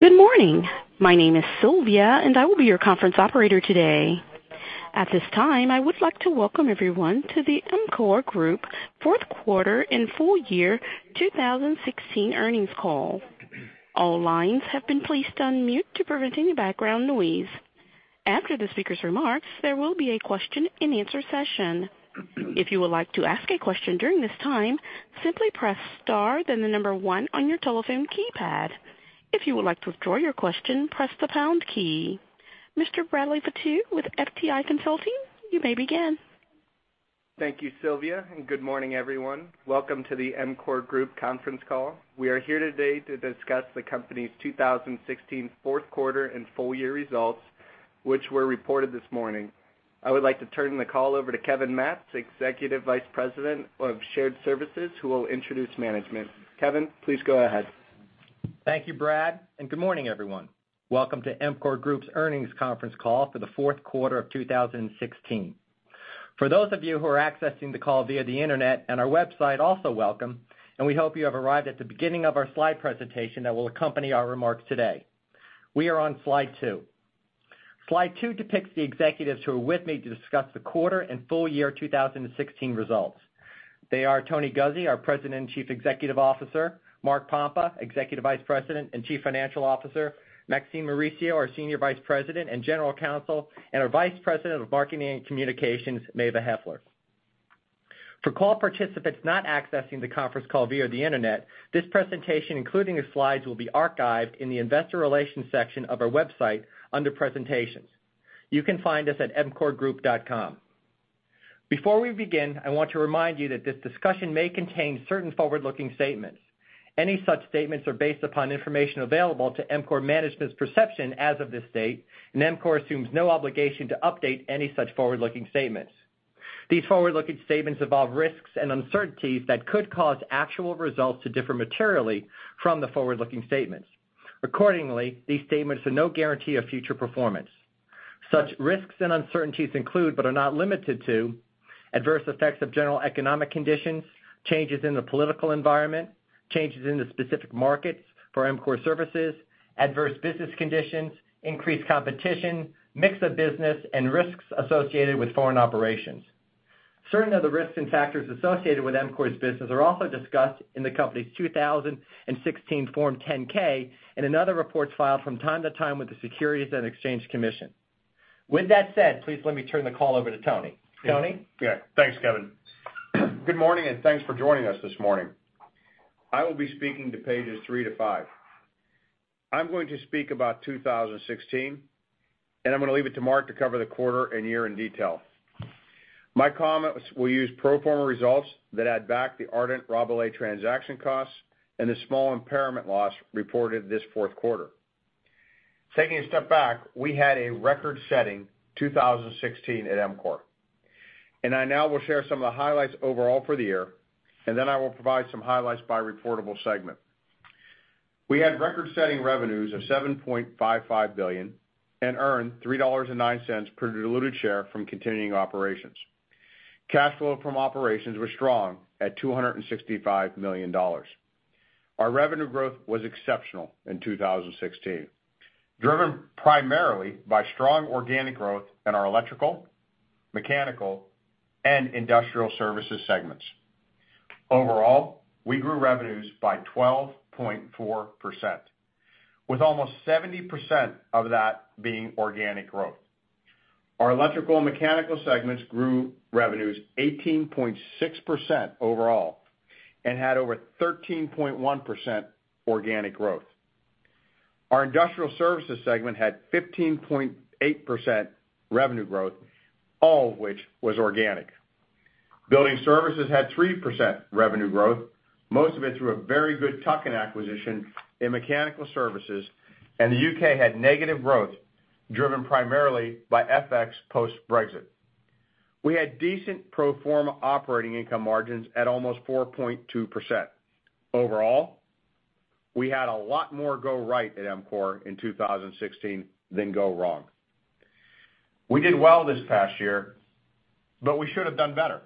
Good morning. My name is Sylvia, and I will be your conference operator today. At this time, I would like to welcome everyone to the EMCOR Group fourth quarter and full year 2016 earnings call. All lines have been placed on mute to prevent any background noise. After the speaker's remarks, there will be a question and answer session. If you would like to ask a question during this time, simply press star then the number one on your telephone keypad. If you would like to withdraw your question, press the pound key. Mr. Bradley Battu with FTI Consulting, you may begin. Thank you, Sylvia, and good morning, everyone. Welcome to the EMCOR Group conference call. We are here today to discuss the company's 2016 fourth quarter and full year results, which were reported this morning. I would like to turn the call over to Kevin Matz, Executive Vice President of Shared Services, who will introduce management. Kevin, please go ahead. Thank you, Brad, and good morning, everyone. Welcome to EMCOR Group's earnings conference call for the fourth quarter of 2016. For those of you who are accessing the call via the internet and our website, also welcome, and we hope you have arrived at the beginning of our slide presentation that will accompany our remarks today. We are on slide two. Slide two depicts the executives who are with me to discuss the quarter and full year 2016 results. They are Tony Guzzi, our President and Chief Executive Officer, Mark Pompa, Executive Vice President and Chief Financial Officer, Maxine Mauricio, our Senior Vice President and General Counsel, and our Vice President of Marketing and Communications, Mava Heffler. For call participants not accessing the conference call via the internet, this presentation, including the slides, will be archived in the investor relations section of our website under presentations. You can find us at emcorgroup.com. Before we begin, I want to remind you that this discussion may contain certain forward-looking statements. Any such statements are based upon information available to EMCOR management's perception as of this date, and EMCOR assumes no obligation to update any such forward-looking statements. These forward-looking statements involve risks and uncertainties that could cause actual results to differ materially from the forward-looking statements. Accordingly, these statements are no guarantee of future performance. Such risks and uncertainties include, but are not limited to, adverse effects of general economic conditions, changes in the political environment, changes in the specific markets for EMCOR services, adverse business conditions, increased competition, mix of business, and risks associated with foreign operations. Certain of the risks and factors associated with EMCOR's business are also discussed in the company's 2016 Form 10-K and in other reports filed from time to time with the Securities and Exchange Commission. With that said, please let me turn the call over to Tony. Tony? Yeah. Thanks, Kevin. Good morning. Thanks for joining us this morning. I will be speaking to pages three to five. I'm going to speak about 2016, and I'm going to leave it to Mark to cover the quarter and year in detail. My comments will use pro forma results that add back the Ardent/Rabalais transaction costs and the small impairment loss reported this fourth quarter. Taking a step back, we had a record-setting 2016 at EMCOR. I now will share some of the highlights overall for the year, and then I will provide some highlights by reportable segment. We had record-setting revenues of $7.55 billion and earned $3.09 per diluted share from continuing operations. Cash flow from operations was strong at $265 million. Our revenue growth was exceptional in 2016, driven primarily by strong organic growth in our electrical, mechanical, and industrial services segments. Overall, we grew revenues by 12.4%, with almost 70% of that being organic growth. Our electrical and mechanical segments grew revenues 18.6% overall and had over 13.1% organic growth. Our industrial services segment had 15.8% revenue growth, all of which was organic. Building services had 3% revenue growth, most of it through a very good tuck-in acquisition in mechanical services, and the U.K. had negative growth, driven primarily by FX post-Brexit. We had decent pro forma operating income margins at almost 4.2%. Overall, we had a lot more go right at EMCOR in 2016 than go wrong. We did well this past year, but we should have done better.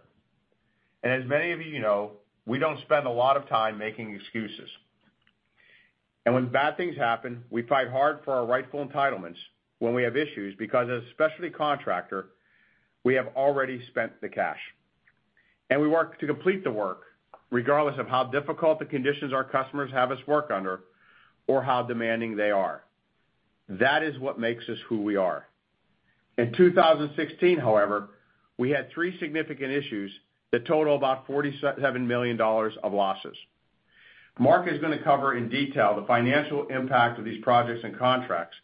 As many of you know, we don't spend a lot of time making excuses. When bad things happen, we fight hard for our rightful entitlements when we have issues, because as a specialty contractor, we have already spent the cash. We work to complete the work, regardless of how difficult the conditions our customers have us work under or how demanding they are. That is what makes us who we are. In 2016, however, we had three significant issues that total about $47 million of losses. Mark is gonna cover in detail the financial impact of these projects and contracts,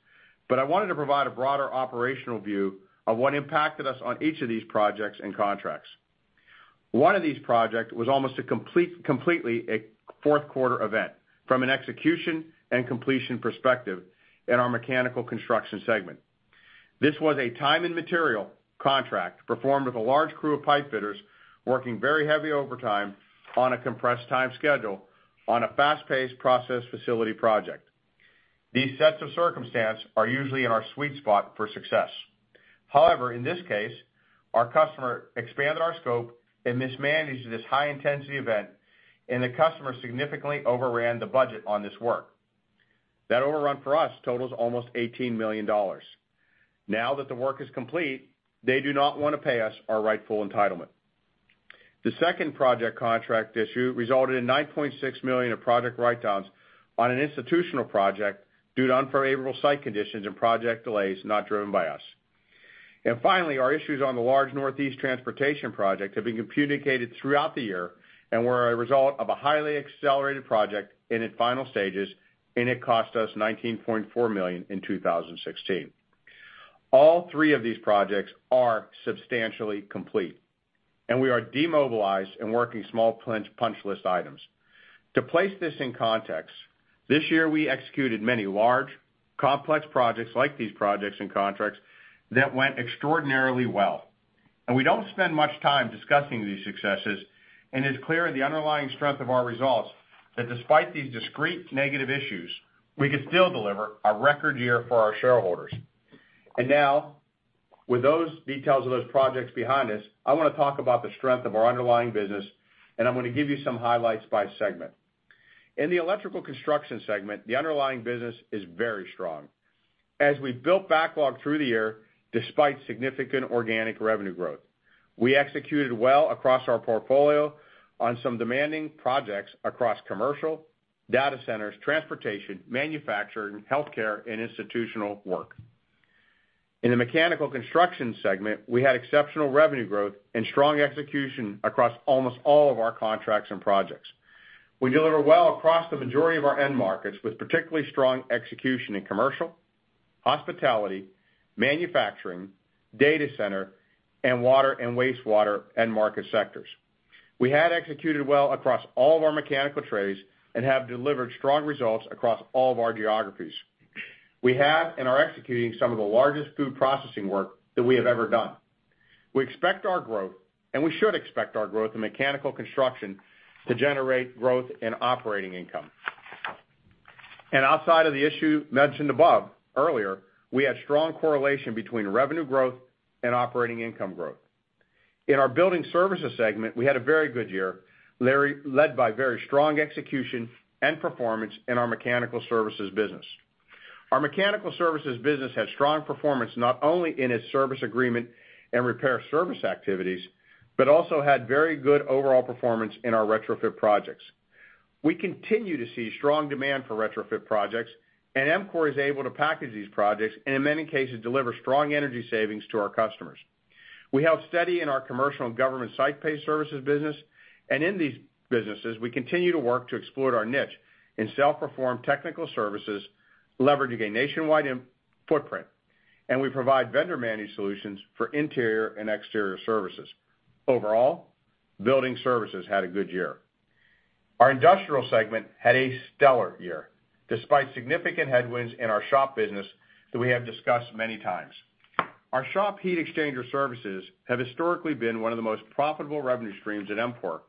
but I wanted to provide a broader operational view of what impacted us on each of these projects and contracts. One of these projects was almost a completely a fourth quarter event from an execution and completion perspective in our mechanical construction segment. This was a time and material contract performed with a large crew of pipe fitters working very heavy overtime on a compressed time schedule on a fast-paced process facility project. These sets of circumstance are usually in our sweet spot for success. However, in this case, our customer expanded our scope and mismanaged this high-intensity event, and the customer significantly overran the budget on this work. That overrun for us totals almost $18 million. Now that the work is complete, they do not want to pay us our rightful entitlement. The second project contract issue resulted in $9.6 million of project write-downs on an institutional project due to unfavorable site conditions and project delays not driven by us. Finally, our issues on the large Northeast transportation project have been communicated throughout the year, and were a result of a highly accelerated project in its final stages, and it cost us $19.4 million in 2016. All three of these projects are substantially complete, and we are demobilized and working small punch list items. To place this in context, this year we executed many large, complex projects like these projects and contracts that went extraordinarily well. We don't spend much time discussing these successes, and it's clear in the underlying strength of our results that despite these discrete negative issues, we could still deliver a record year for our shareholders. Now, with those details of those projects behind us, I want to talk about the strength of our underlying business, and I'm going to give you some highlights by segment. In the Electrical Construction segment, the underlying business is very strong. As we built backlog through the year, despite significant organic revenue growth. We executed well across our portfolio on some demanding projects across commercial, data centers, transportation, manufacturing, healthcare, and institutional work. In the Mechanical Construction segment, we had exceptional revenue growth and strong execution across almost all of our contracts and projects. We deliver well across the majority of our end markets, with particularly strong execution in commercial, hospitality, manufacturing, data center, and water and wastewater end market sectors. We had executed well across all of our mechanical trades and have delivered strong results across all of our geographies. We have and are executing some of the largest food processing work that we have ever done. We expect our growth, and we should expect our growth in Mechanical Construction to generate growth in operating income. Outside of the issue mentioned above, earlier, we had strong correlation between revenue growth and operating income growth. In our Building Services segment, we had a very good year, led by very strong execution and performance in our mechanical services business. Our mechanical services business had strong performance, not only in its service agreement and repair service activities, but also had very good overall performance in our retrofit projects. We continue to see strong demand for retrofit projects, and EMCOR is able to package these projects, and in many cases, deliver strong energy savings to our customers. We held steady in our commercial and government site-based services business, and in these businesses, we continue to work to exploit our niche in self-performed technical services, leveraging a nationwide footprint. We provide vendor managed solutions for interior and exterior services. Overall, Building Services had a good year. Our industrial segment had a stellar year, despite significant headwinds in our shop business that we have discussed many times. Our shop heat exchanger services have historically been one of the most profitable revenue streams at EMCOR.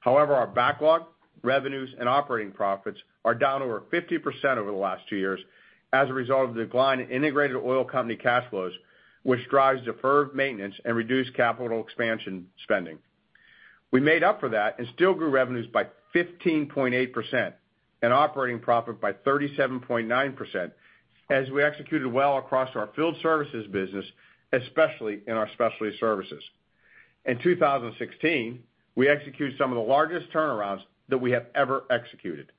However, our backlog, revenues, and operating profits are down over 50% over the last two years as a result of the decline in integrated oil company cash flows, which drives deferred maintenance and reduced capital expansion spending. We made up for that and still grew revenues by 15.8% and operating profit by 37.9% as we executed well across our field services business, especially in our specialty services. In 2016, we executed some of the largest turnarounds that we have ever executed.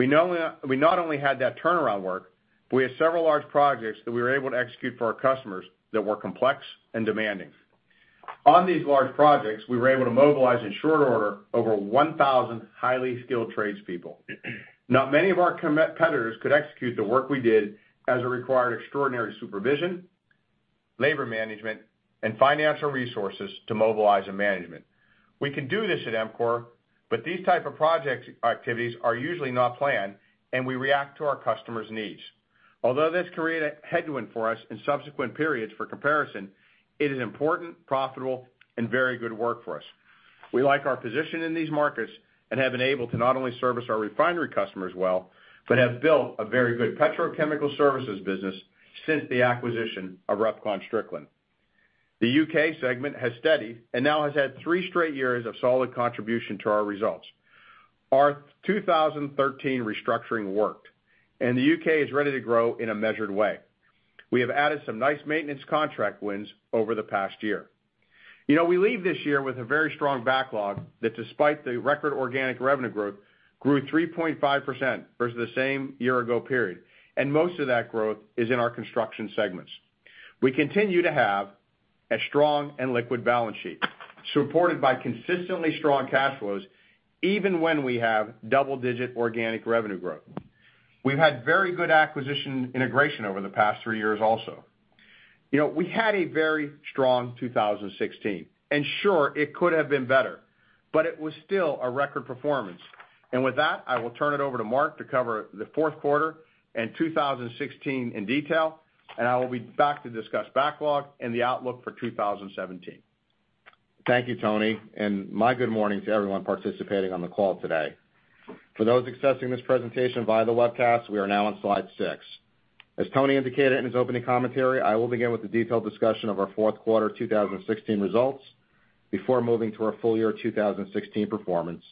We not only had that turnaround work, but we had several large projects that we were able to execute for our customers that were complex and demanding. On these large projects, we were able to mobilize in short order over 1,000 highly skilled trades people. Not many of our competitors could execute the work we did, as it required extraordinary supervision, labor management, and financial resources to mobilize and management. We can do this at EMCOR, but these type of project activities are usually not planned, and we react to our customers' needs. Although this created a headwind for us in subsequent periods for comparison, it is important, profitable, and very good work for us. We like our position in these markets and have been able to not only service our refinery customers well, but have built a very good petrochemical services business since the acquisition of RepconStrickland, Inc.. The U.K. segment has steadied and now has had three straight years of solid contribution to our results. Our 2013 restructuring worked, and the U.K. is ready to grow in a measured way. We have added some nice maintenance contract wins over the past year. We leave this year with a very strong backlog that despite the record organic revenue growth, grew 3.5% versus the same year ago period, and most of that growth is in our construction segments. We continue to have a strong and liquid balance sheet, supported by consistently strong cash flows, even when we have double-digit organic revenue growth. We've had very good acquisition integration over the past three years also. We had a very strong 2016, and sure, it could have been better, but it was still a record performance. With that, I will turn it over to Mark to cover the fourth quarter and 2016 in detail, and I will be back to discuss backlog and the outlook for 2017 Thank you, Tony, my good morning to everyone participating on the call today. For those accessing this presentation via the webcast, we are now on slide six. As Tony indicated in his opening commentary, I will begin with a detailed discussion of our fourth quarter 2016 results before moving to our full year 2016 performance,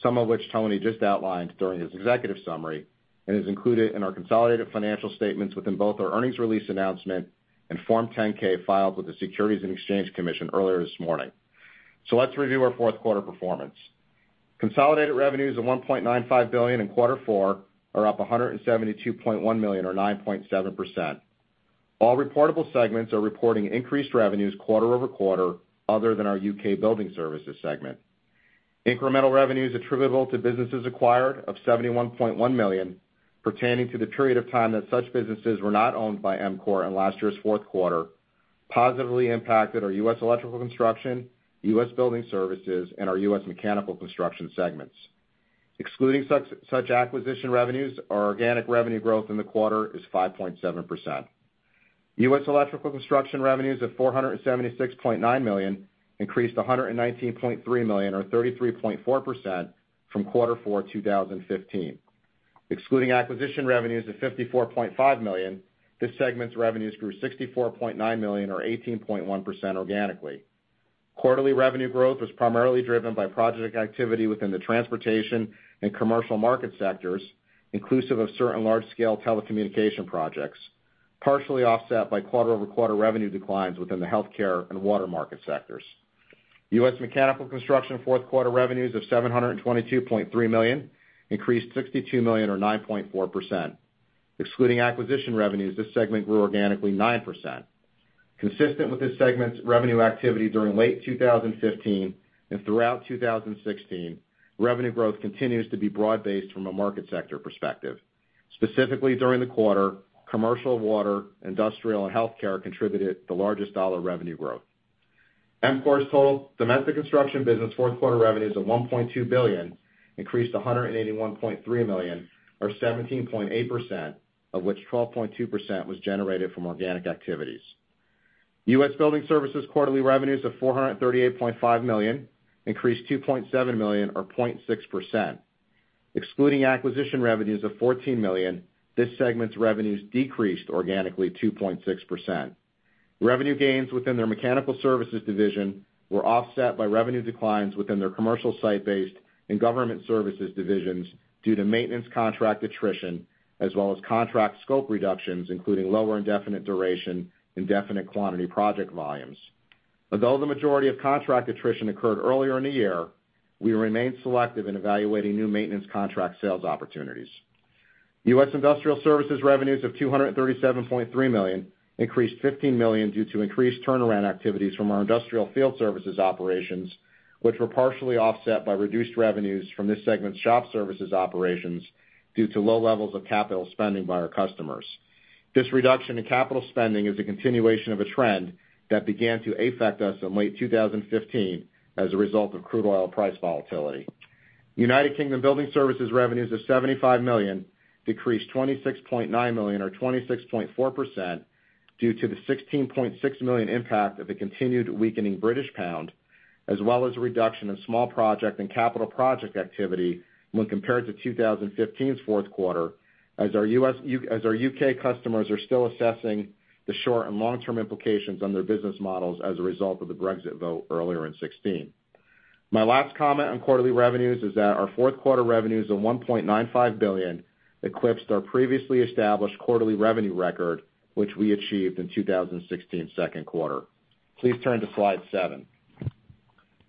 some of which Tony just outlined during his executive summary and is included in our consolidated financial statements within both our earnings release announcement and Form 10-K filed with the Securities and Exchange Commission earlier this morning. Let's review our fourth quarter performance. Consolidated revenues of $1.95 billion in quarter four are up $172.1 million, or 9.7%. All reportable segments are reporting increased revenues quarter-over-quarter, other than our U.K. Building Services segment. Incremental revenues attributable to businesses acquired of $71.1 million, pertaining to the period of time that such businesses were not owned by EMCOR in last year's fourth quarter, positively impacted our U.S. Electrical Construction, U.S. Building Services, and our U.S. Mechanical Construction segments. Excluding such acquisition revenues, our organic revenue growth in the quarter is 5.7%. U.S. Electrical Construction revenues of $476.9 million increased $119.3 million, or 33.4%, from quarter four 2015. Excluding acquisition revenues of $54.5 million, this segment's revenues grew $64.9 million, or 18.1% organically. Quarterly revenue growth was primarily driven by project activity within the transportation and commercial market sectors, inclusive of certain large-scale telecommunication projects, partially offset by quarter-over-quarter revenue declines within the healthcare and water market sectors. U.S. Mechanical Construction fourth quarter revenues of $722.3 million increased $62 million, or 9.4%. Excluding acquisition revenues, this segment grew organically 9%. Consistent with this segment's revenue activity during late 2015 and throughout 2016, revenue growth continues to be broad-based from a market sector perspective. Specifically, during the quarter, commercial water, industrial, and healthcare contributed the largest dollar revenue growth. EMCOR's total domestic construction business fourth quarter revenues of $1.2 billion increased $181.3 million, or 17.8%, of which 12.2% was generated from organic activities. U.S. Building Services quarterly revenues of $438.5 million increased $2.7 million or 0.6%. Excluding acquisition revenues of $14 million, this segment's revenues decreased organically 2.6%. Revenue gains within their mechanical services division were offset by revenue declines within their commercial site-based and government services divisions due to maintenance contract attrition, as well as contract scope reductions, including lower indefinite delivery, indefinite quantity project volumes. Although the majority of contract attrition occurred earlier in the year, we remain selective in evaluating new maintenance contract sales opportunities. U.S. Industrial Services revenues of $237.3 million increased $15 million due to increased turnaround activities from our industrial field services operations, which were partially offset by reduced revenues from this segment's shop services operations due to low levels of capital spending by our customers. This reduction in capital spending is a continuation of a trend that began to affect us in late 2015 as a result of crude oil price volatility. United Kingdom Building Services revenues of 75 million decreased 26.9 million or 26.4% due to the 16.6 million impact of the continued weakening British pound, as well as a reduction in small project and capital project activity when compared to 2015's fourth quarter, as our U.K. customers are still assessing the short and long-term implications on their business models as a result of the Brexit vote earlier in 2016. My last comment on quarterly revenues is that our fourth quarter revenues of $1.95 billion eclipsed our previously established quarterly revenue record, which we achieved in 2016's second quarter. Please turn to slide seven.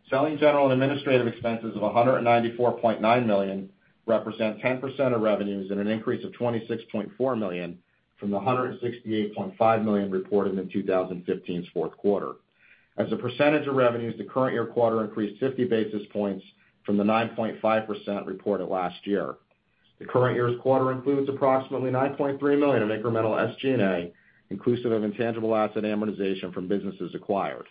Selling, general, and administrative expenses of $194.9 million represent 10% of revenues and an increase of $26.4 million from the $168.5 million reported in 2015's fourth quarter. As a percentage of revenues, the current year quarter increased 50 basis points from the 9.5% reported last year. The current year's quarter includes approximately $9.3 million of incremental SG&A, inclusive of intangible asset amortization from businesses acquired.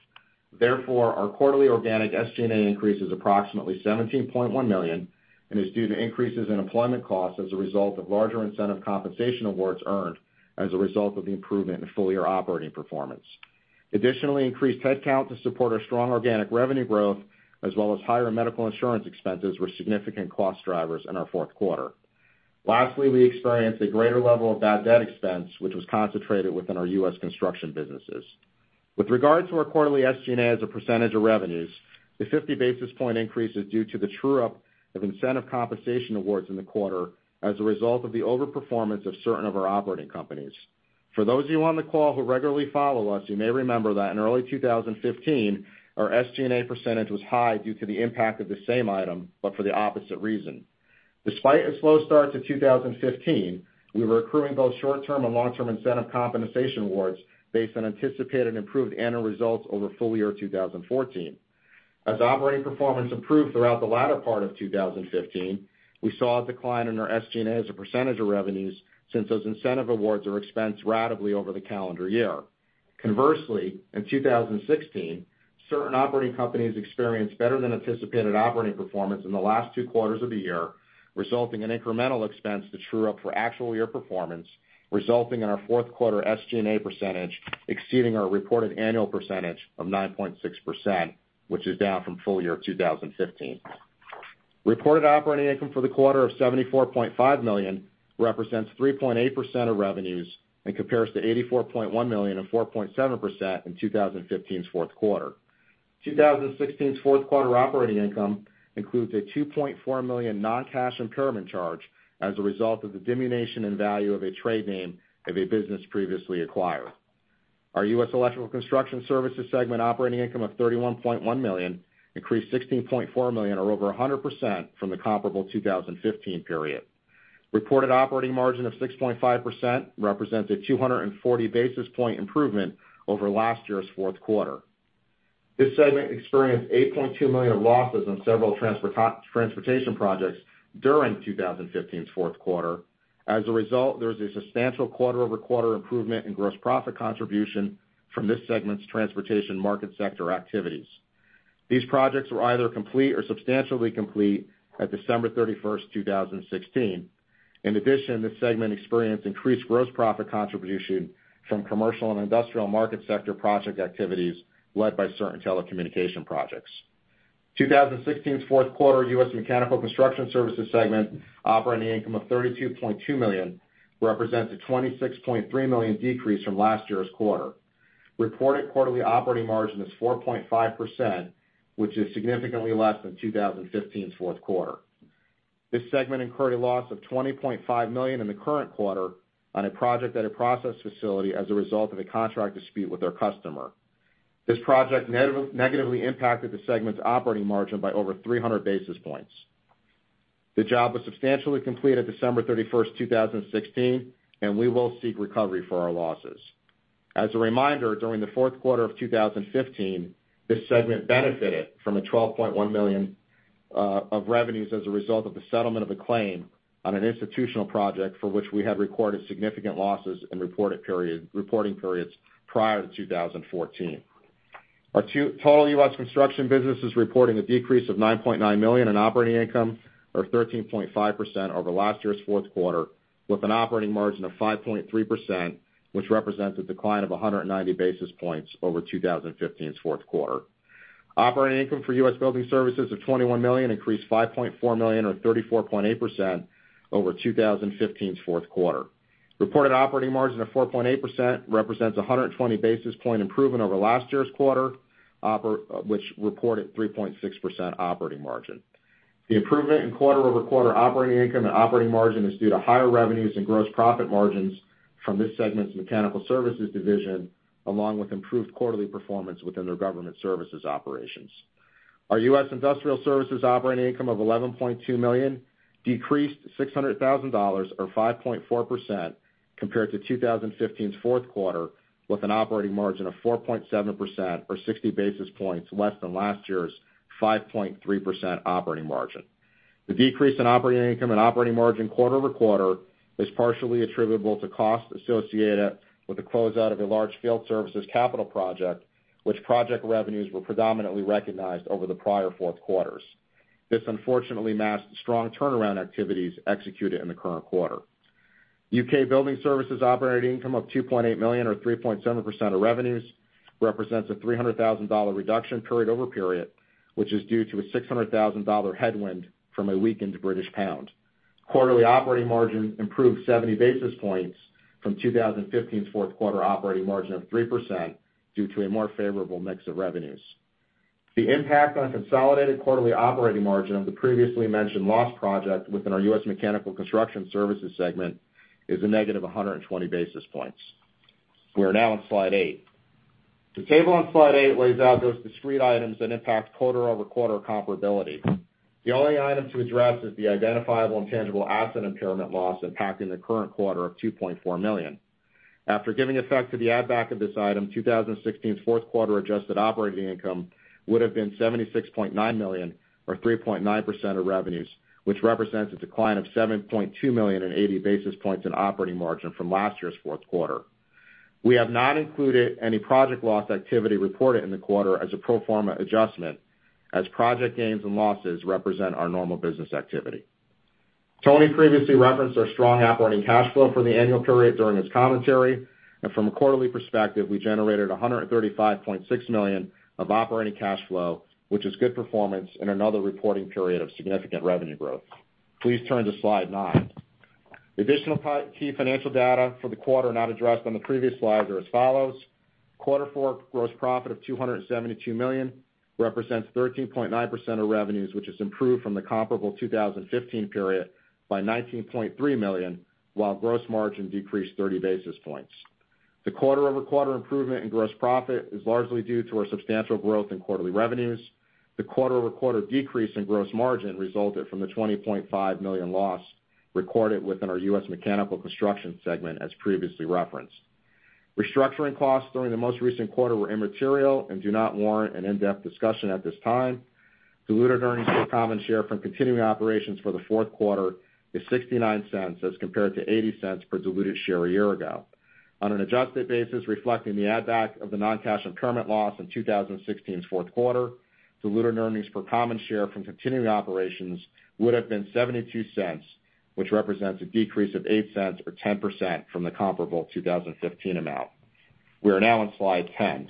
Therefore, our quarterly organic SG&A increase is approximately $17.1 million and is due to increases in employment costs as a result of larger incentive compensation awards earned as a result of the improvement in full-year operating performance. Additionally, increased headcount to support our strong organic revenue growth as well as higher medical insurance expenses were significant cost drivers in our fourth quarter. Lastly, we experienced a greater level of bad debt expense, which was concentrated within our U.S. construction businesses. With regard to our quarterly SG&A as a percentage of revenues, the 50 basis point increase is due to the true-up of incentive compensation awards in the quarter as a result of the overperformance of certain of our operating companies. For those of you on the call who regularly follow us, you may remember that in early 2015, our SG&A percentage was high due to the impact of the same item, but for the opposite reason. Despite a slow start to 2015, we were accruing both short-term and long-term incentive compensation awards based on anticipated improved annual results over full year 2014. As operating performance improved throughout the latter part of 2015, we saw a decline in our SG&A as a percentage of revenues since those incentive awards are expensed ratably over the calendar year. Conversely, in 2016, certain operating companies experienced better than anticipated operating performance in the last two quarters of the year, resulting in incremental expense to true up for actual year performance, resulting in our fourth quarter SG&A percentage exceeding our reported annual percentage of 9.6%, which is down from full year 2015. Reported operating income for the quarter of $74.5 million represents 3.8% of revenues and compares to $84.1 million and 4.7% in 2015's fourth quarter. 2016's fourth quarter operating income includes a $2.4 million non-cash impairment charge as a result of the diminution in value of a trade name of a business previously acquired. Our U.S. Electrical Construction Services segment operating income of $31.1 million increased $16.4 million or over 100% from the comparable 2015 period. Reported operating margin of 6.5% represents a 240 basis point improvement over last year's fourth quarter. This segment experienced $8.2 million of losses on several transportation projects during 2015's fourth quarter. As a result, there was a substantial quarter-over-quarter improvement in gross profit contribution from this segment's transportation market sector activities. These projects were either complete or substantially complete by December 31st, 2016. In addition, this segment experienced increased gross profit contribution from commercial and industrial market sector project activities led by certain telecommunication projects. 2016's fourth quarter U.S. Mechanical Construction Services segment operating income of $32.2 million represents a $26.3 million decrease from last year's quarter. Reported quarterly operating margin is 4.5%, which is significantly less than 2015's fourth quarter. This segment incurred a loss of $20.5 million in the current quarter on a project at a process facility as a result of a contract dispute with their customer. This project negatively impacted the segment's operating margin by over 300 basis points. The job was substantially complete at December 31st, 2016, and we will seek recovery for our losses. As a reminder, during the fourth quarter of 2015, this segment benefited from a $12.1 million of revenues as a result of the settlement of a claim on an institutional project for which we had recorded significant losses in reporting periods prior to 2014. Our total U.S. construction business is reporting a decrease of $9.9 million in operating income or 13.5% over last year's fourth quarter with an operating margin of 5.3%, which represents a decline of 190 basis points over 2015's fourth quarter. Operating income for United States Building Services of $21 million increased $5.4 million or 34.8% over 2015's fourth quarter. Reported operating margin of 4.8% represents 120 basis point improvement over last year's quarter, which reported 3.6% operating margin. The improvement in quarter-over-quarter operating income and operating margin is due to higher revenues and gross profit margins from this segment's Mechanical Services division, along with improved quarterly performance within their government services operations. Our United States Industrial Services operating income of $11.2 million decreased $600,000 or 5.4% compared to 2015's fourth quarter, with an operating margin of 4.7% or 60 basis points less than last year's 5.3% operating margin. The decrease in operating income and operating margin quarter-over-quarter is partially attributable to costs associated with the closeout of a large field services capital project, which project revenues were predominantly recognized over the prior fourth quarters. This unfortunately masked strong turnaround activities executed in the current quarter. U.K. Building Services operating income of $2.8 million or 3.7% of revenues represents a $300,000 reduction period-over-period, which is due to a $600,000 headwind from a weakened British pound. Quarterly operating margin improved 70 basis points from 2015's fourth quarter operating margin of 3% due to a more favorable mix of revenues. The impact on consolidated quarterly operating margin of the previously mentioned loss project within our United States Mechanical Construction and Facilities Services segment is a negative 120 basis points. We are now on slide eight. The table on slide eight lays out those discrete items that impact quarter-over-quarter comparability. The only item to address is the identifiable and tangible asset impairment loss impacting the current quarter of $2.4 million. After giving effect to the add back of this item, 2016's fourth quarter adjusted operating income would have been $76.9 million or 3.9% of revenues, which represents a decline of $7.2 million and 80 basis points in operating margin from last year's fourth quarter. We have not included any project loss activity reported in the quarter as a pro forma adjustment as project gains and losses represent our normal business activity. Tony previously referenced our strong operating cash flow for the annual period during his commentary, and from a quarterly perspective, we generated $135.6 million of operating cash flow, which is good performance in another reporting period of significant revenue growth. Please turn to slide nine. Additional key financial data for the quarter not addressed on the previous slides are as follows: quarter 4 gross profit of $272 million represents 13.9% of revenues, which has improved from the comparable 2015 period by $19.3 million, while gross margin decreased 30 basis points. The quarter-over-quarter improvement in gross profit is largely due to our substantial growth in quarterly revenues. The quarter-over-quarter decrease in gross margin resulted from the $20.5 million loss recorded within our United States Mechanical Construction and Facilities Services segment, as previously referenced. Restructuring costs during the most recent quarter were immaterial and do not warrant an in-depth discussion at this time. Diluted earnings per common share from continuing operations for the fourth quarter is $0.69 as compared to $0.80 per diluted share a year ago. On an adjusted basis, reflecting the add back of the non-cash impairment loss in 2016's fourth quarter, diluted earnings per common share from continuing operations would have been $0.72, which represents a decrease of $0.08 or 10% from the comparable 2015 amount. We are now on slide 10.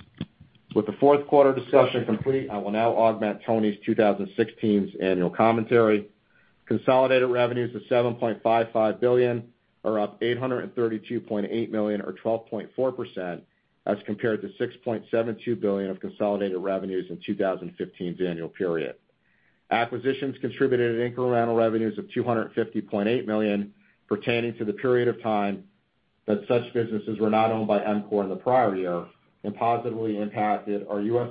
With the fourth quarter discussion complete, I will now augment Tony's 2016's annual commentary. Consolidated revenues of $7.55 billion are up $832.8 million, or 12.4%, as compared to $6.72 billion of consolidated revenues in 2015's annual period. Acquisitions contributed incremental revenues of $250.8 million pertaining to the period of time that such businesses were not owned by EMCOR in the prior year and positively impacted our U.S.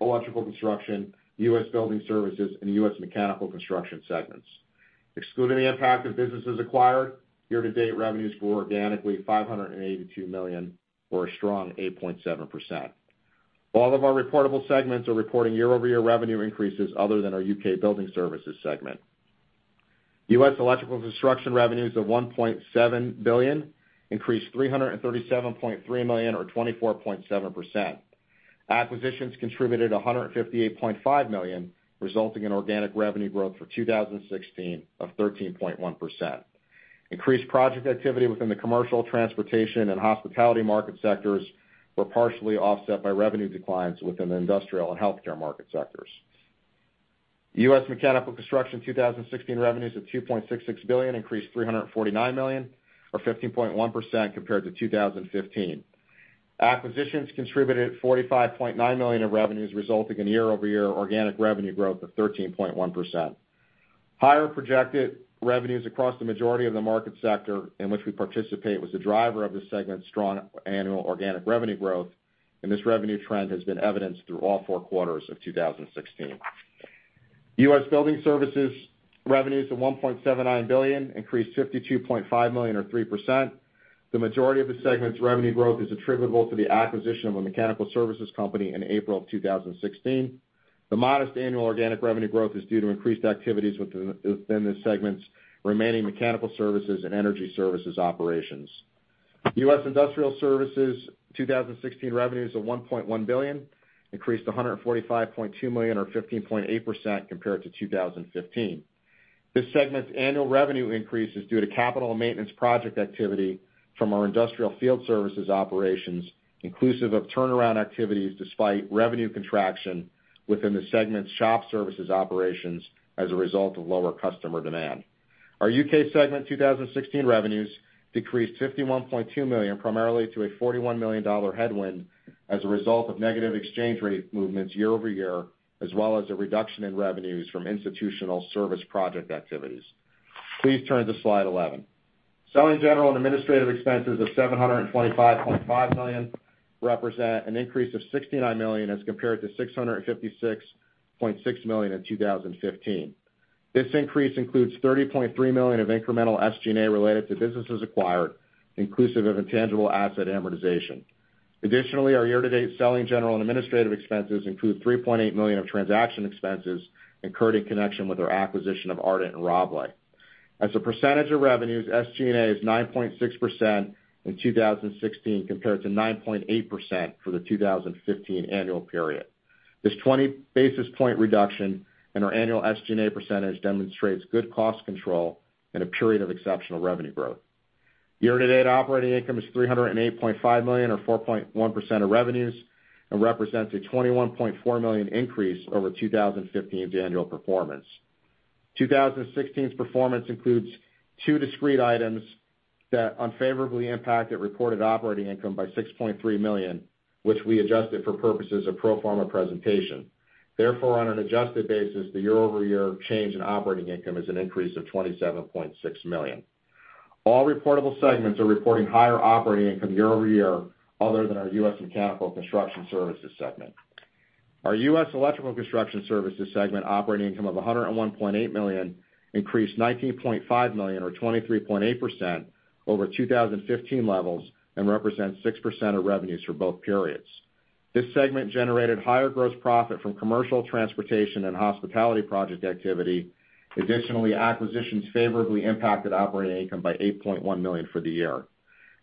Electrical Construction, U.S. Building Services, and U.S. Mechanical Construction segments. Excluding the impact of businesses acquired, year-to-date revenues grew organically $582 million, or a strong 8.7%. All of our reportable segments are reporting year-over-year revenue increases other than our U.K. Building Services segment. U.S. Electrical Construction revenues of $1.7 billion increased $337.3 million or 24.7%. Acquisitions contributed $158.5 million, resulting in organic revenue growth for 2016 of 13.1%. Increased project activity within the commercial, transportation, and hospitality market sectors were partially offset by revenue declines within the industrial and healthcare market sectors. U.S. Mechanical Construction 2016 revenues of $2.66 billion increased $349 million or 15.1% compared to 2015. Acquisitions contributed $45.9 million of revenues, resulting in year-over-year organic revenue growth of 13.1%. Higher projected revenues across the majority of the market sector in which we participate was the driver of the segment's strong annual organic revenue growth, and this revenue trend has been evidenced through all four quarters of 2016. U.S. Building Services revenues of $1.79 billion increased $52.5 million or 3%. The majority of the segment's revenue growth is attributable to the acquisition of a mechanical services company in April of 2016. The modest annual organic revenue growth is due to increased activities within the segment's remaining mechanical services and energy services operations. U.S. Industrial Services 2016 revenues of $1.1 billion increased to $145.2 million or 15.8% compared to 2015. This segment's annual revenue increase is due to capital and maintenance project activity from our industrial field services operations, inclusive of turnaround activities despite revenue contraction within the segment's shop services operations as a result of lower customer demand. Our U.K. segment 2016 revenues decreased $51.2 million, primarily to a $41 million headwind as a result of negative exchange rate movements year-over-year, as well as a reduction in revenues from institutional service project activities. Please turn to slide 11. Selling, general, and administrative expenses of $725.5 million represent an increase of $69 million as compared to $656.6 million in 2015. This increase includes $30.3 million of incremental SG&A related to businesses acquired, inclusive of intangible asset amortization. Additionally, our year-to-date selling, general, and administrative expenses include $3.8 million of transaction expenses incurred in connection with our acquisition of Ardent and Rabalais. As a percentage of revenues, SG&A is 9.6% in 2016 compared to 9.8% for the 2015 annual period. This 20 basis point reduction in our annual SG&A percentage demonstrates good cost control in a period of exceptional revenue growth. Year-to-date operating income is $308.5 million or 4.1% of revenues and represents a $21.4 million increase over 2015's annual performance. 2016's performance includes two discrete items that unfavorably impacted reported operating income by $6.3 million, which we adjusted for purposes of pro forma presentation. Therefore, on an adjusted basis, the year-over-year change in operating income is an increase of $27.6 million. All reportable segments are reporting higher operating income year-over-year other than our U.S. Mechanical Construction Services segment. Our U.S. Electrical Construction Services segment operating income of $101.8 million increased $19.5 million or 23.8% over 2015 levels and represents 6% of revenues for both periods. This segment generated higher gross profit from commercial, transportation, and hospitality project activity. Additionally, acquisitions favorably impacted operating income by $8.1 million for the year.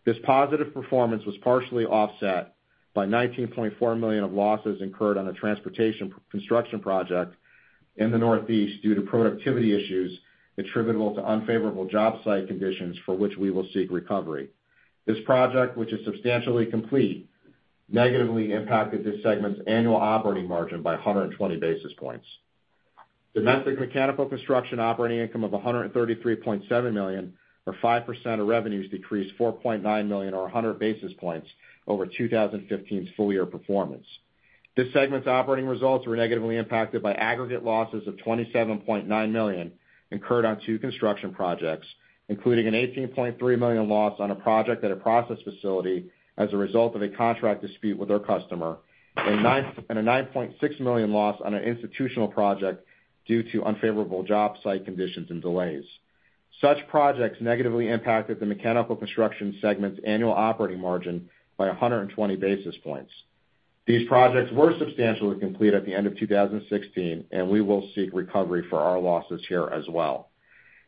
This positive performance was partially offset by $19.4 million of losses incurred on a transportation construction project in the Northeast due to productivity issues attributable to unfavorable job site conditions for which we will seek recovery. This project, which is substantially complete, negatively impacted this segment's annual operating margin by 120 basis points. U.S. Mechanical Construction operating income of $133.7 million or 5% of revenues decreased $4.9 million or 100 basis points over 2015's full-year performance. This segment's operating results were negatively impacted by aggregate losses of $27.9 million incurred on two construction projects, including an $18.3 million loss on a project at a process facility as a result of a contract dispute with our customer, and a $9.6 million loss on an institutional project due to unfavorable job site conditions and delays. Such projects negatively impacted the Mechanical Construction segment's annual operating margin by 120 basis points. These projects were substantially complete at the end of 2016, and we will seek recovery for our losses here as well.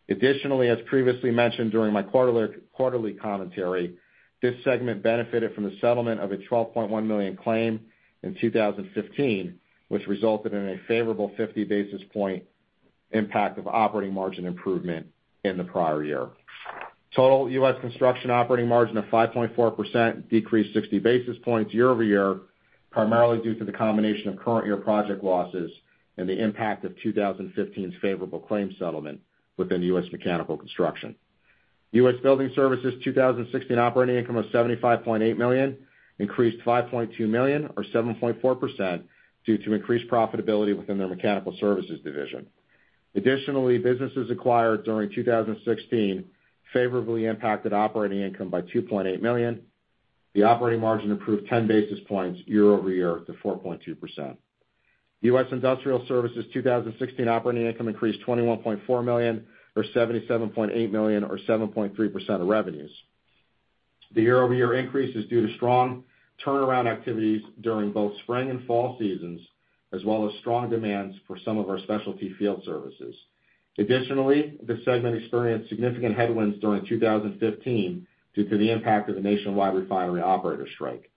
Additionally, as previously mentioned during my quarterly commentary, this segment benefited from the settlement of a $12.1 million claim in 2015, which resulted in a favorable 50 basis point impact of operating margin improvement in the prior year. Total U.S. construction operating margin of 5.4% decreased 60 basis points year-over-year, primarily due to the combination of current year project losses and the impact of 2015's favorable claim settlement within U.S. Mechanical Construction. U.S. Building Services 2016 operating income of $75.8 million increased $5.2 million or 7.4% due to increased profitability within their mechanical services division. Additionally, businesses acquired during 2016 favorably impacted operating income by $2.8 million. The operating margin improved 10 basis points year-over-year to 4.2%. U.S. Industrial Services 2016 operating income increased $21.4 million or $77.8 million or 7.3% of revenues. The year-over-year increase is due to strong turnaround activities during both spring and fall seasons, as well as strong demands for some of our specialty field services. Additionally, this segment experienced significant headwinds during 2015 due to the impact of the nationwide refinery operator strike.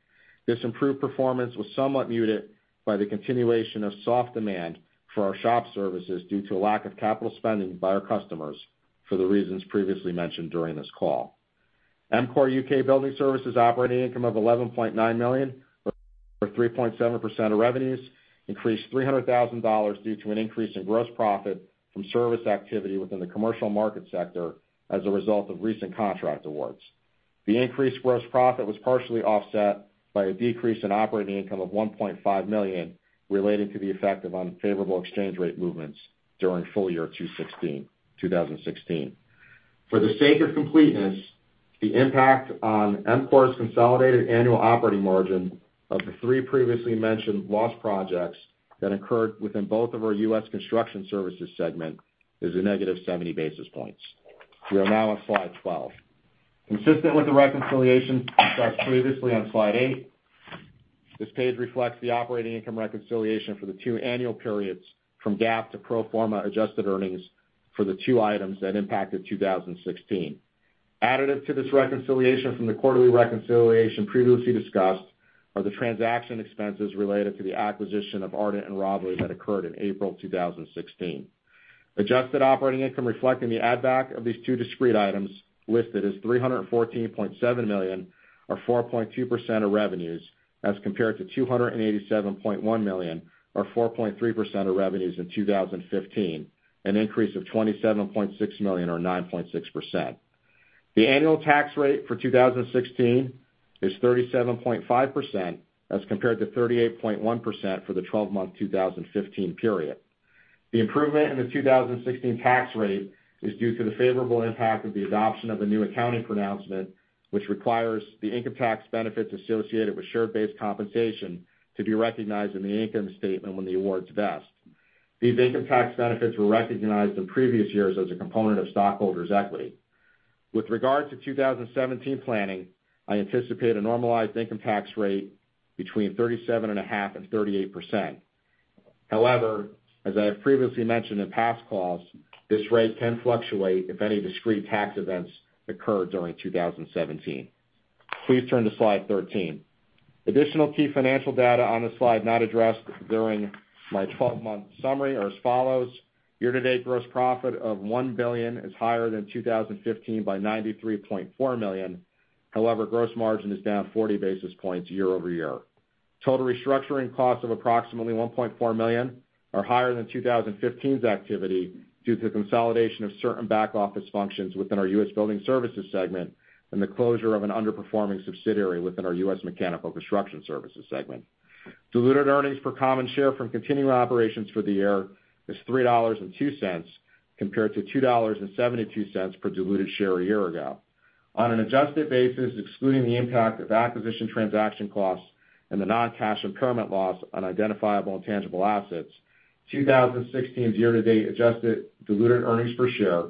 This improved performance was somewhat muted by the continuation of soft demand for our shop services due to a lack of capital spending by our customers for the reasons previously mentioned during this call. EMCOR U.K. Building Services operating income of $11.9 million or 3.7% of revenues, increased $300,000 due to an increase in gross profit from service activity within the commercial market sector as a result of recent contract awards. The increased gross profit was partially offset by a decrease in operating income of $1.5 million related to the effect of unfavorable exchange rate movements during full-year 2016. For the sake of completeness, the impact on EMCOR's consolidated annual operating margin of the three previously mentioned loss projects that occurred within both of our U.S. Construction Services segment is a negative 70 basis points. We are now on slide 12. Consistent with the reconciliations discussed previously on slide eight, this page reflects the operating income reconciliation for the two annual periods from GAAP to pro forma adjusted earnings for the two items that impacted 2016. Additive to this reconciliation from the quarterly reconciliation previously discussed are the transaction expenses related to the acquisition of Ardent and Rabalais that occurred in April 2016. Adjusted operating income reflecting the add back of these two discrete items listed as $314.7 million or 4.2% of revenues as compared to $287.1 million or 4.3% of revenues in 2015, an increase of $27.6 million or 9.6%. The annual tax rate for 2016 is 37.5% as compared to 38.1% for the 12-month 2015 period. The improvement in the 2016 tax rate is due to the favorable impact of the adoption of the new accounting pronouncement, which requires the income tax benefits associated with share-based compensation to be recognized in the income statement when the awards vest. These income tax benefits were recognized in previous years as a component of stockholders' equity. With regard to 2017 planning, I anticipate a normalized income tax rate between 37.5% and 38%. However, as I have previously mentioned in past calls, this rate can fluctuate if any discrete tax events occur during 2017. Please turn to slide 13. Additional key financial data on this slide not addressed during my 12-month summary are as follows. Year-to-date gross profit of $1 billion is higher than 2015 by $93.4 million. However, gross margin is down 40 basis points year-over-year. Total restructuring costs of approximately $1.4 million are higher than 2015's activity due to consolidation of certain back-office functions within our U.S. Building Services segment and the closure of an underperforming subsidiary within our U.S. Mechanical Construction Services segment. Diluted earnings per common share from continuing operations for the year is $3.02 compared to $2.72 per diluted share a year ago. On an adjusted basis excluding the impact of acquisition transaction costs and the non-cash impairment loss on identifiable and tangible assets, 2016's year-to-date adjusted diluted earnings per share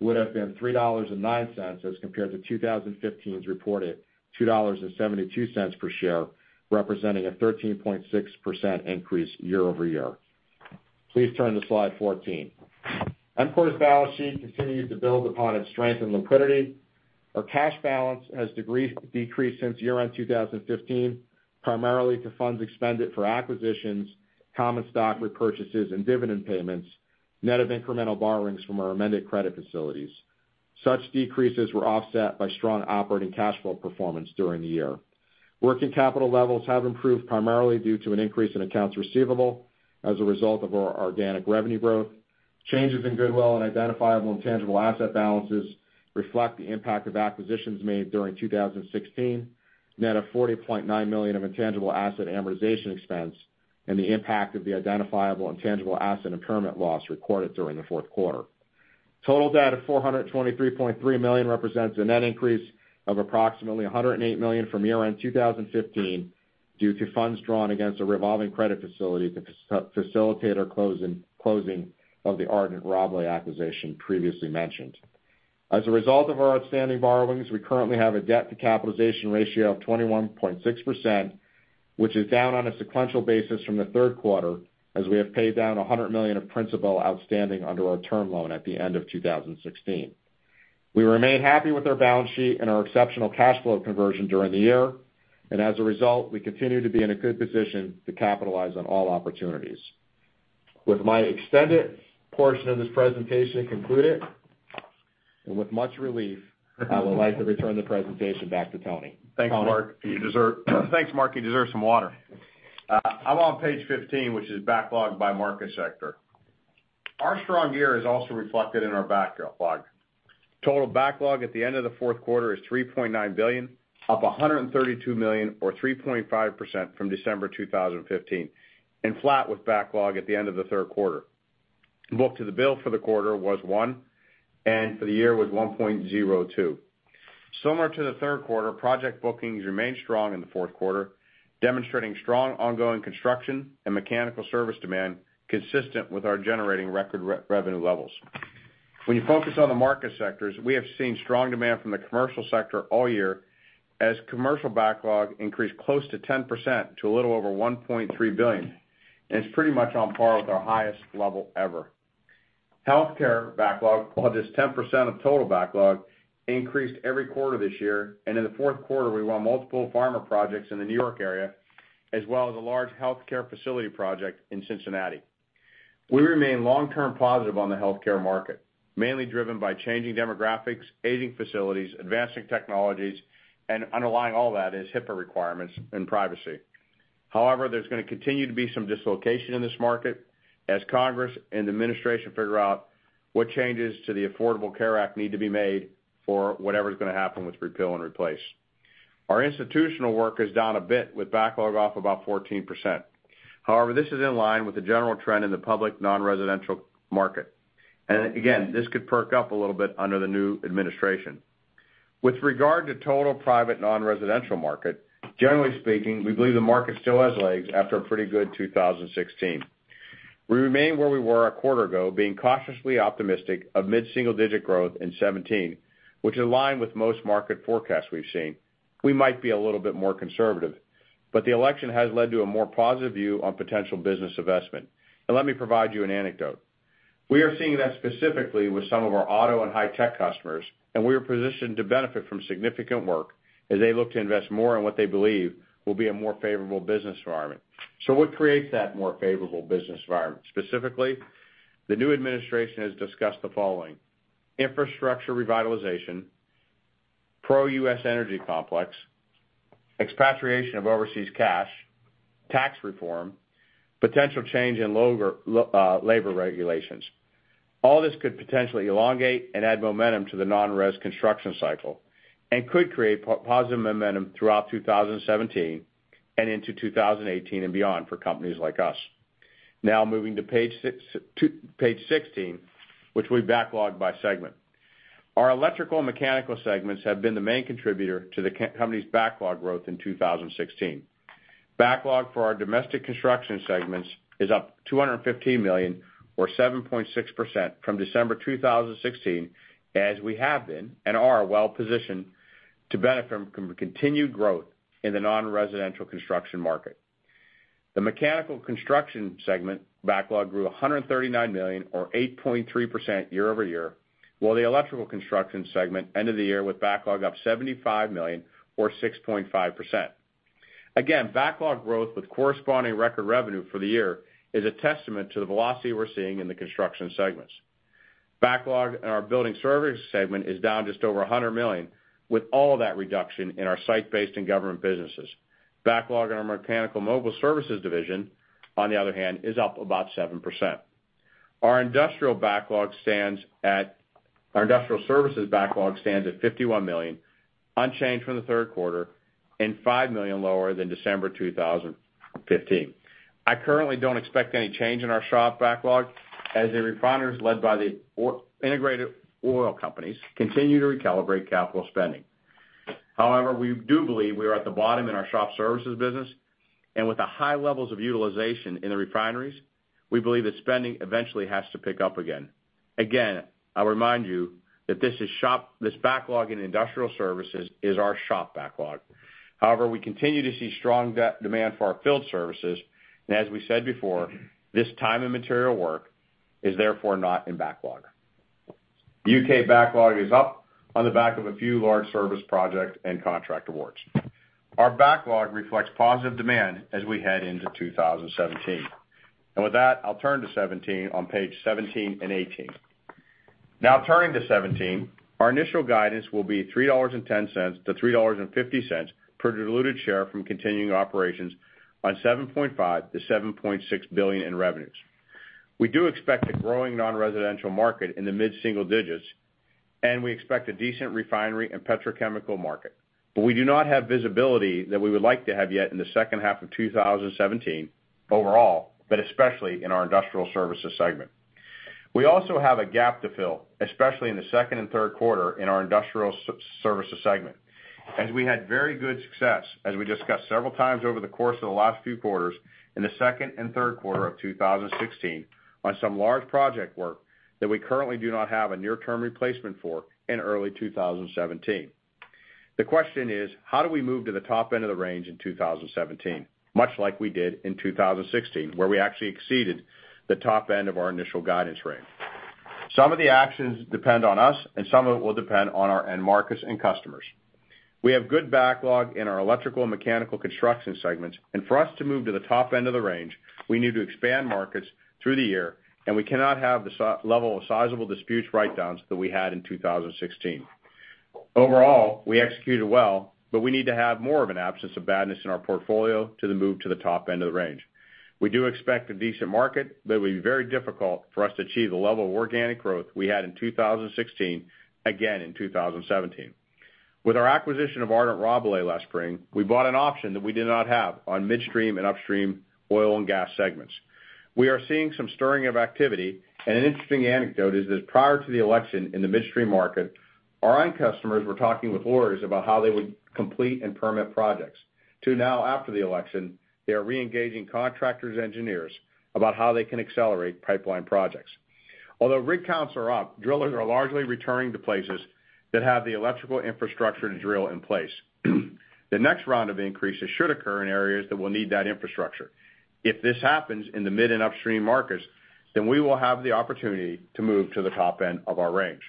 would have been $3.09 as compared to 2015's reported $2.72 per share, representing a 13.6% increase year-over-year. Please turn to slide 14. EMCOR's balance sheet continues to build upon its strength and liquidity. Our cash balance has decreased since year-end 2015, primarily to funds expended for acquisitions, common stock repurchases, and dividend payments, net of incremental borrowings from our amended credit facilities. Such decreases were offset by strong operating cash flow performance during the year. Working capital levels have improved primarily due to an increase in accounts receivable as a result of our organic revenue growth. Changes in goodwill and identifiable and tangible asset balances reflect the impact of acquisitions made during 2016, net of $40.9 million of intangible asset amortization expense and the impact of the identifiable and tangible asset impairment loss recorded during the fourth quarter. Total debt of $423.3 million represents a net increase of approximately $108 million from year-end 2015 due to funds drawn against a revolving credit facility to facilitate our closing of the Ardent Rabalais acquisition previously mentioned. As a result of our outstanding borrowings, we currently have a debt to capitalization ratio of 21.6%, which is down on a sequential basis from the third quarter as we have paid down $100 million of principal outstanding under our term loan at the end of 2016. We remain happy with our balance sheet and our exceptional cash flow conversion during the year. As a result, we continue to be in a good position to capitalize on all opportunities. With my extended portion of this presentation concluded, and with much relief, I would like to return the presentation back to Tony. Tony? Thanks, Mark. You deserve some water. I'm on page 15, which is Backlog by Market Sector. Our strong year is also reflected in our backlog. Total backlog at the end of the fourth quarter is $3.9 billion, up $132 million or 3.5% from December 2015, and flat with backlog at the end of the third quarter. Book to bill for the quarter was 1, and for the year was 1.02. Similar to the third quarter, project bookings remained strong in the fourth quarter, demonstrating strong ongoing construction and mechanical service demand consistent with our generating record revenue levels. When you focus on the market sectors, we have seen strong demand from the commercial sector all year as commercial backlog increased close to 10% to a little over $1.3 billion, and it's pretty much on par with our highest level ever. Healthcare backlog, while just 10% of total backlog, increased every quarter this year, and in the fourth quarter, we won multiple pharma projects in the New York area, as well as a large healthcare facility project in Cincinnati. We remain long-term positive on the healthcare market, mainly driven by changing demographics, aging facilities, advancing technologies, and underlying all that is HIPAA requirements and privacy. However, there's going to continue to be some dislocation in this market as Congress and the administration figure out what changes to the Affordable Care Act need to be made for whatever's going to happen with repeal and replace. Our institutional work is down a bit with backlog off about 14%. However, this is in line with the general trend in the public non-residential market. Again, this could perk up a little bit under the new administration. With regard to total private non-residential market, generally speaking, we believe the market still has legs after a pretty good 2016. We remain where we were a quarter ago, being cautiously optimistic of mid-single digit growth in 2017, which align with most market forecasts we've seen. We might be a little bit more conservative, but the election has led to a more positive view on potential business investment. Let me provide you an anecdote. We are seeing that specifically with some of our auto and high-tech customers, and we are positioned to benefit from significant work as they look to invest more in what they believe will be a more favorable business environment. What creates that more favorable business environment? Specifically, the new administration has discussed the following: infrastructure revitalization, pro-U.S. energy complex, expatriation of overseas cash, tax reform, potential change in labor regulations. All this could potentially elongate and add momentum to the non-res construction cycle and could create positive momentum throughout 2017 and into 2018 and beyond for companies like us. Now moving to page 16, Backlog by Segment. Our electrical and mechanical segments have been the main contributor to the company's backlog growth in 2016. Backlog for our domestic construction segments is up $215 million or 7.6% from December 2016, as we have been and are well positioned to benefit from continued growth in the non-residential construction market. The mechanical construction segment backlog grew $139 million or 8.3% year-over-year, while the electrical construction segment ended the year with backlog up $75 million or 6.5%. Again, backlog growth with corresponding record revenue for the year is a testament to the velocity we're seeing in the construction segments. Backlog in our building services segment is down just over $100 million with all that reduction in our site-based and government businesses. Backlog in our mechanical mobile services division, on the other hand, is up about 7%. Our industrial services backlog stands at $51 million, unchanged from the third quarter and $5 million lower than December 2015. I currently don't expect any change in our shop backlog as the refineries led by the integrated oil companies continue to recalibrate capital spending. However, we do believe we are at the bottom in our shop services business, and with the high levels of utilization in the refineries, we believe that spending eventually has to pick up again. Again, I'll remind you that this backlog in industrial services is our shop backlog. However, we continue to see strong demand for our field services, and as we said before, this time and material work is therefore not in backlog. U.K. backlog is up on the back of a few large service project and contract awards. Our backlog reflects positive demand as we head into 2017. With that, I'll turn to 2017 on page 17 and 18. Now turning to 2017, our initial guidance will be $3.10-$3.50 per diluted share from continuing operations on $7.5 billion-$7.6 billion in revenues. We do expect a growing non-residential market in the mid-single digits, and we expect a decent refinery and petrochemical market. We do not have visibility that we would like to have yet in the second half of 2017 overall, but especially in our industrial services segment. We also have a gap to fill, especially in the second and third quarter in our industrial services segment, as we had very good success, as we discussed several times over the course of the last few quarters in the second and third quarter of 2016 on some large project work that we currently do not have a near-term replacement for in early 2017. The question is: how do we move to the top end of the range in 2017, much like we did in 2016, where we actually exceeded the top end of our initial guidance range? Some of the actions depend on us, and some of it will depend on our end markets and customers. We have good backlog in our electrical and mechanical construction segments. For us to move to the top end of the range, we need to expand markets through the year. We cannot have the level of sizable disputes write-downs that we had in 2016. Overall, we executed well. We need to have more of an absence of badness in our portfolio to the move to the top end of the range. We do expect a decent market. It will be very difficult for us to achieve the level of organic growth we had in 2016, again in 2017. With our acquisition of Ardent/Rabalais last spring, we bought an option that we did not have on midstream and upstream oil and gas segments. We are seeing some stirring of activity. An interesting anecdote is that prior to the election in the midstream market, our end customers were talking with lawyers about how they would complete and permit projects. To now after the election, they are re-engaging contractors engineers about how they can accelerate pipeline projects. Although rig counts are up, drillers are largely returning to places that have the electrical infrastructure to drill in place. The next round of increases should occur in areas that will need that infrastructure. If this happens in the mid and upstream markets, we will have the opportunity to move to the top end of our range.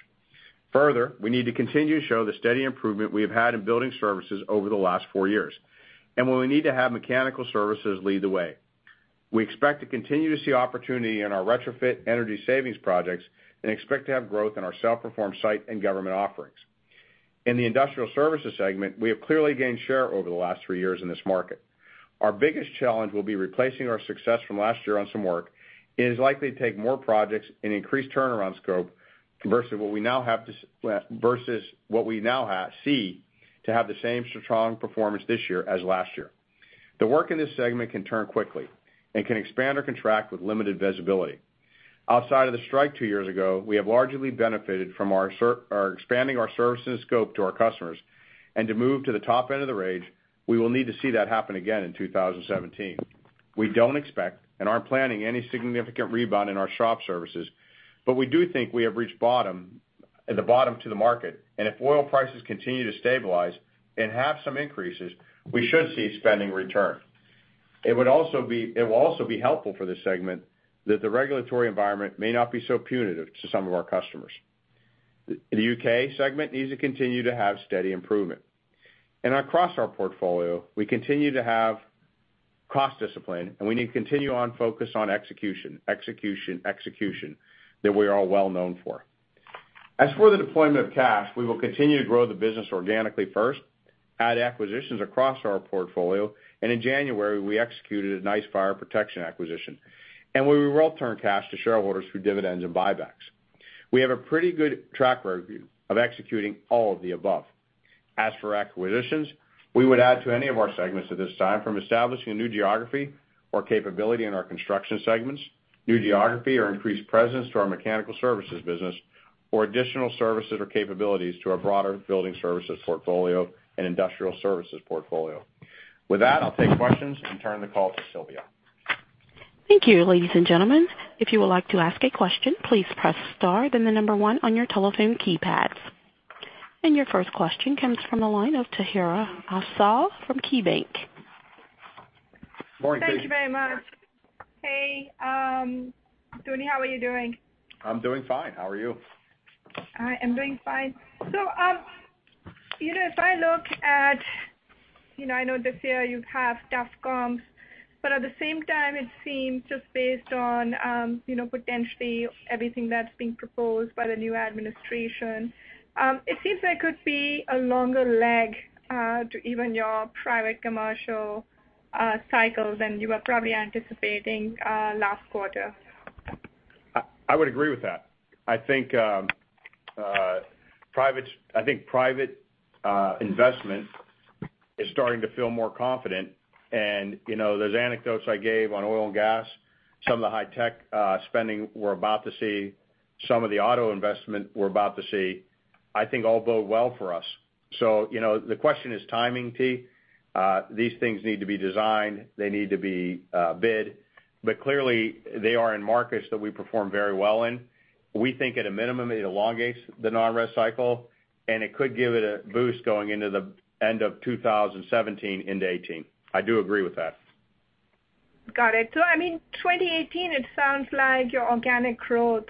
Further, we need to continue to show the steady improvement we have had in building services over the last four years. We will need to have mechanical services lead the way. We expect to continue to see opportunity in our retrofit energy savings projects. We expect to have growth in our self-performed site and government offerings. In the Industrial Services segment, we have clearly gained share over the last three years in this market. Our biggest challenge will be replacing our success from last year on some work. It is likely to take more projects and increase turnaround scope versus what we now see to have the same strong performance this year as last year. The work in this segment can turn quickly and can expand or contract with limited visibility. Outside of the strike two years ago, we have largely benefited from our expanding our services scope to our customers. To move to the top end of the range, we will need to see that happen again in 2017. We don't expect and aren't planning any significant rebound in our shop services. We do think we have reached the bottom to the market. If oil prices continue to stabilize and have some increases, we should see spending return. It will also be helpful for this segment that the regulatory environment may not be so punitive to some of our customers. The U.K. segment needs to continue to have steady improvement. Across our portfolio, we continue to have cost discipline. We need to continue on focus on execution that we are all well known for. As for the deployment of cash, we will continue to grow the business organically first, add acquisitions across our portfolio. In January, we executed a nice fire protection acquisition. We will return cash to shareholders through dividends and buybacks. We have a pretty good track record of executing all of the above. As for acquisitions, we would add to any of our segments at this time, from establishing a new geography or capability in our construction segments, new geography or increased presence to our mechanical services business, or additional services or capabilities to our broader building services portfolio and industrial services portfolio. With that, I'll take questions and turn the call to Sylvia. Thank you, ladies and gentlemen. If you would like to ask a question, please press star, then the number one on your telephone keypads. Your first question comes from the line of Tahira Afzal from KeyBanc. Morning, T. Thank you very much. Hey, Tony Guzzi, how are you doing? I'm doing fine. How are you? I am doing fine. If I look at I know this year you have tough comps, but at the same time, it seems just based on potentially everything that's being proposed by the new administration, it seems there could be a longer lag to even your private commercial cycles than you were probably anticipating last quarter. I would agree with that. I think private investment is starting to feel more confident, and those anecdotes I gave on oil and gas, some of the high tech spending we're about to see, some of the auto investment we're about to see, I think all bode well for us. The question is timing, T. These things need to be designed. They need to be bid. Clearly, they are in markets that we perform very well in. We think at a minimum, it elongates the non-res cycle, and it could give it a boost going into the end of 2017 into 2018. I do agree with that. Got it. I mean, 2018, it sounds like your organic growth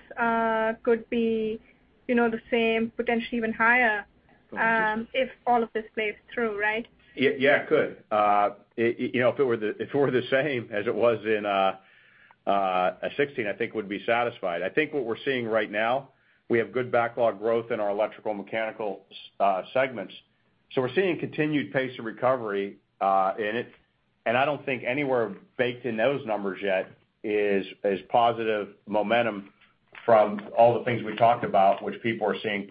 could be the same, potentially even higher. Potentially If all of this plays through, right? Yeah, it could. If it were the same as it was in 2016, I think we'd be satisfied. I think what we're seeing right now, we have good backlog growth in our electrical and mechanical segments. We're seeing continued pace of recovery, and I don't think anywhere baked in those numbers yet is positive momentum from all the things we talked about, which people are seeing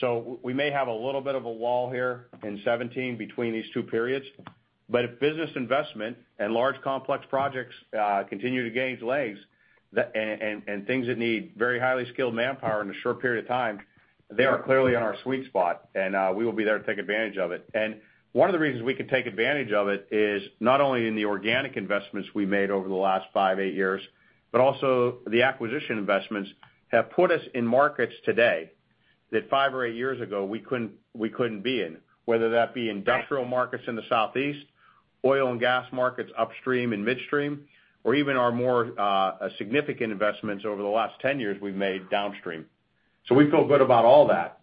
post-election. We may have a little bit of a wall here in 2017 between these two periods, but if business investment and large complex projects continue to gain legs, and things that need very highly skilled manpower in a short period of time, they are clearly in our sweet spot and we will be there to take advantage of it. One of the reasons we can take advantage of it is not only in the organic investments we made over the last five, eight years, but also the acquisition investments have put us in markets today that five or eight years ago we couldn't be in. Whether that be industrial markets in the southeast oil and gas markets, upstream and midstream, or even our more significant investments over the last 10 years we've made downstream. We feel good about all that.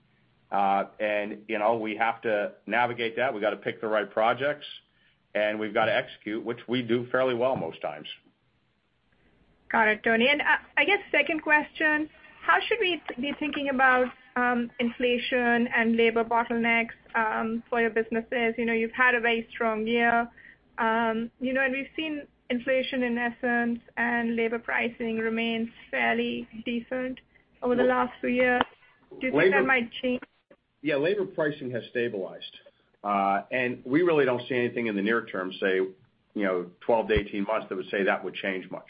We have to navigate that. We've got to pick the right projects, and we've got to execute, which we do fairly well most times. Got it, Tony. I guess second question, how should we be thinking about inflation and labor bottlenecks for your businesses? You've had a very strong year. We've seen inflation in essence and labor pricing remains fairly decent over the last few years. Do you think that might change? Yeah, labor pricing has stabilized. We really don't see anything in the near term, say, 12 to 18 months that would change much.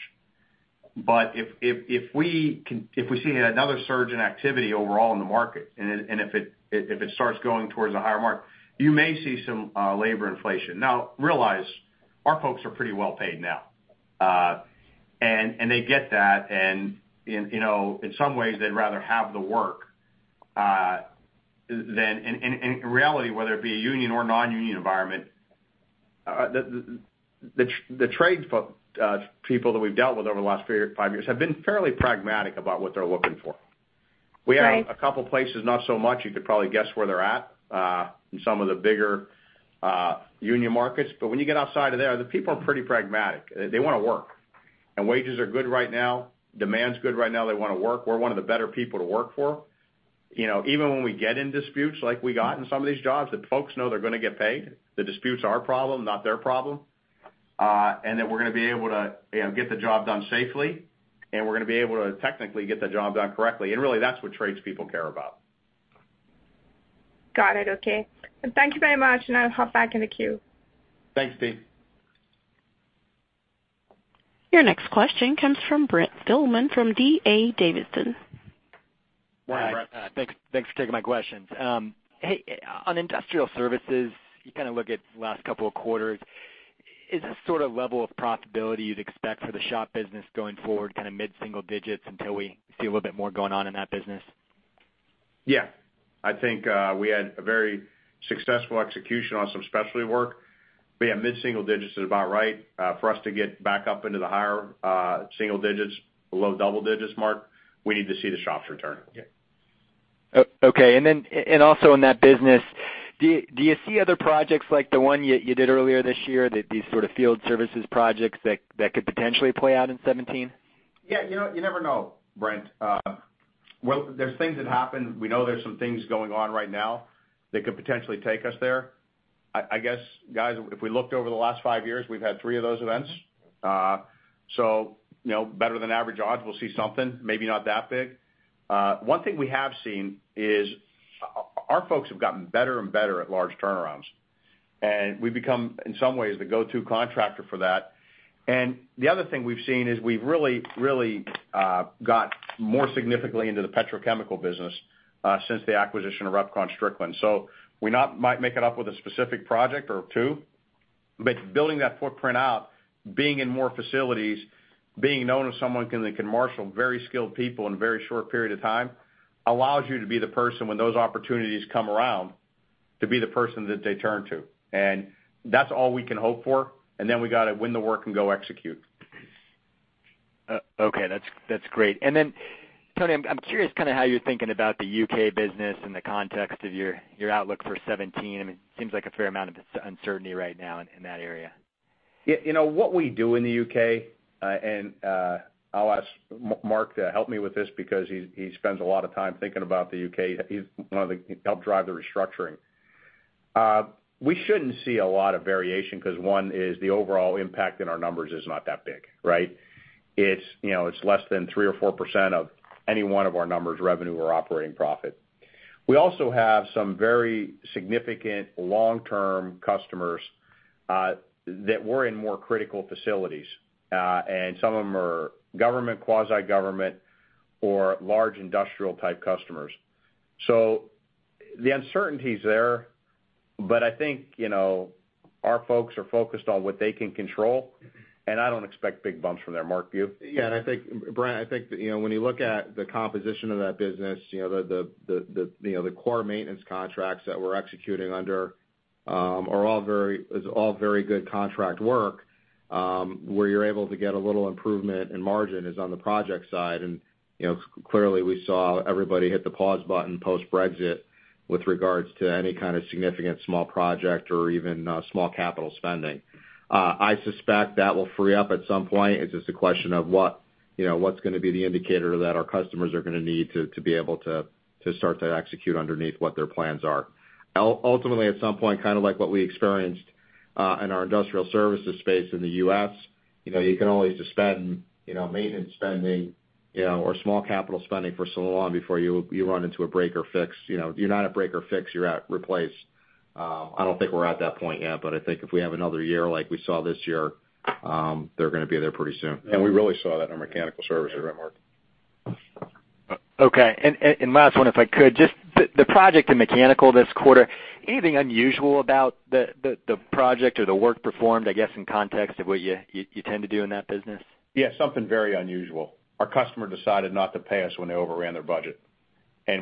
If we see another surge in activity overall in the market, and if it starts going towards a higher mark, you may see some labor inflation. Now realize our folks are pretty well paid now. They get that and in some ways they'd rather have the work. In reality, whether it be a union or non-union environment, the trades people that we've dealt with over the last five years have been fairly pragmatic about what they're looking for. Right. We have a couple of places, not so much, you could probably guess where they're at, in some of the bigger union markets. When you get outside of there, the people are pretty pragmatic. They want to work. Wages are good right now. Demand's good right now. They want to work. We're one of the better people to work for. Even when we get in disputes like we got in some of these jobs, the folks know they're going to get paid. The dispute's our problem, not their problem. That we're going to be able to get the job done safely, and we're going to be able to technically get the job done correctly, and really that's what trades people care about. Got it, okay. Thank you very much, and I'll hop back in the queue. Thanks, T. Your next question comes from Brent Thielman from D.A. Davidson. Thanks for taking my questions. Hey, on Industrial Services, you look at the last couple of quarters. Is this sort of level of profitability you'd expect for the shop business going forward, mid-single digits until we see a little bit more going on in that business? Yeah. I think we had a very successful execution on some specialty work. But yeah, mid-single digits is about right. For us to get back up into the higher single digits, below double digits mark, we need to see the shops return. Okay. Also in that business, do you see other projects like the one you did earlier this year, these sort of field services projects that could potentially play out in 2017? Yeah. You never know, Brent. There's things that happen. We know there's some things going on right now that could potentially take us there. I guess, guys, if we looked over the last five years, we've had three of those events. Better than average odds we'll see something, maybe not that big. One thing we have seen is our folks have gotten better and better at large turnarounds. We've become, in some ways, the go-to contractor for that. The other thing we've seen is we've really got more significantly into the petrochemical business since the acquisition of RepconStrickland, Inc.. We might not make it up with a specific project or two, but building that footprint out, being in more facilities, being known as someone that can marshal very skilled people in a very short period of time, allows you to be the person when those opportunities come around, to be the person that they turn to. That's all we can hope for. Then we got to win the work and go execute. Okay. That's great. Then Tony, I'm curious how you're thinking about the U.K. business in the context of your outlook for 2017. It seems like a fair amount of uncertainty right now in that area. What we do in the U.K., I'll ask Mark to help me with this because he spends a lot of time thinking about the U.K.. He helped drive the restructuring. We shouldn't see a lot of variation because one is the overall impact in our numbers is not that big, right? It's less than 3% or 4% of any one of our numbers, revenue or operating profit. We also have some very significant long-term customers that we're in more critical facilities. Some of them are government, quasi-government or large industrial type customers. The uncertainty is there, but I think our folks are focused on what they can control, and I don't expect big bumps from there. Mark, do you? Yeah, Brent, I think when you look at the composition of that business, the core maintenance contracts that we're executing under is all very good contract work. Where you're able to get a little improvement in margin is on the project side. Clearly we saw everybody hit the pause button post-Brexit with regards to any kind of significant small project or even small capital spending. I suspect that will free up at some point. It's just a question of what's going to be the indicator that our customers are going to need to be able to start to execute underneath what their plans are. Ultimately, at some point, like what we experienced in our Industrial Services space in the U.S., you can only suspend maintenance spending or small capital spending for so long before you run into a break or fix. You're not at break or fix, you're at replace. I don't think we're at that point yet, but I think if we have another year like we saw this year, they're going to be there pretty soon. We really saw that in our Mechanical Services, right Mark? Okay. Last one, if I could, just the project in Mechanical this quarter, anything unusual about the project or the work performed, I guess, in context of what you tend to do in that business? Yeah, something very unusual. Our customer decided not to pay us when they overran their budget.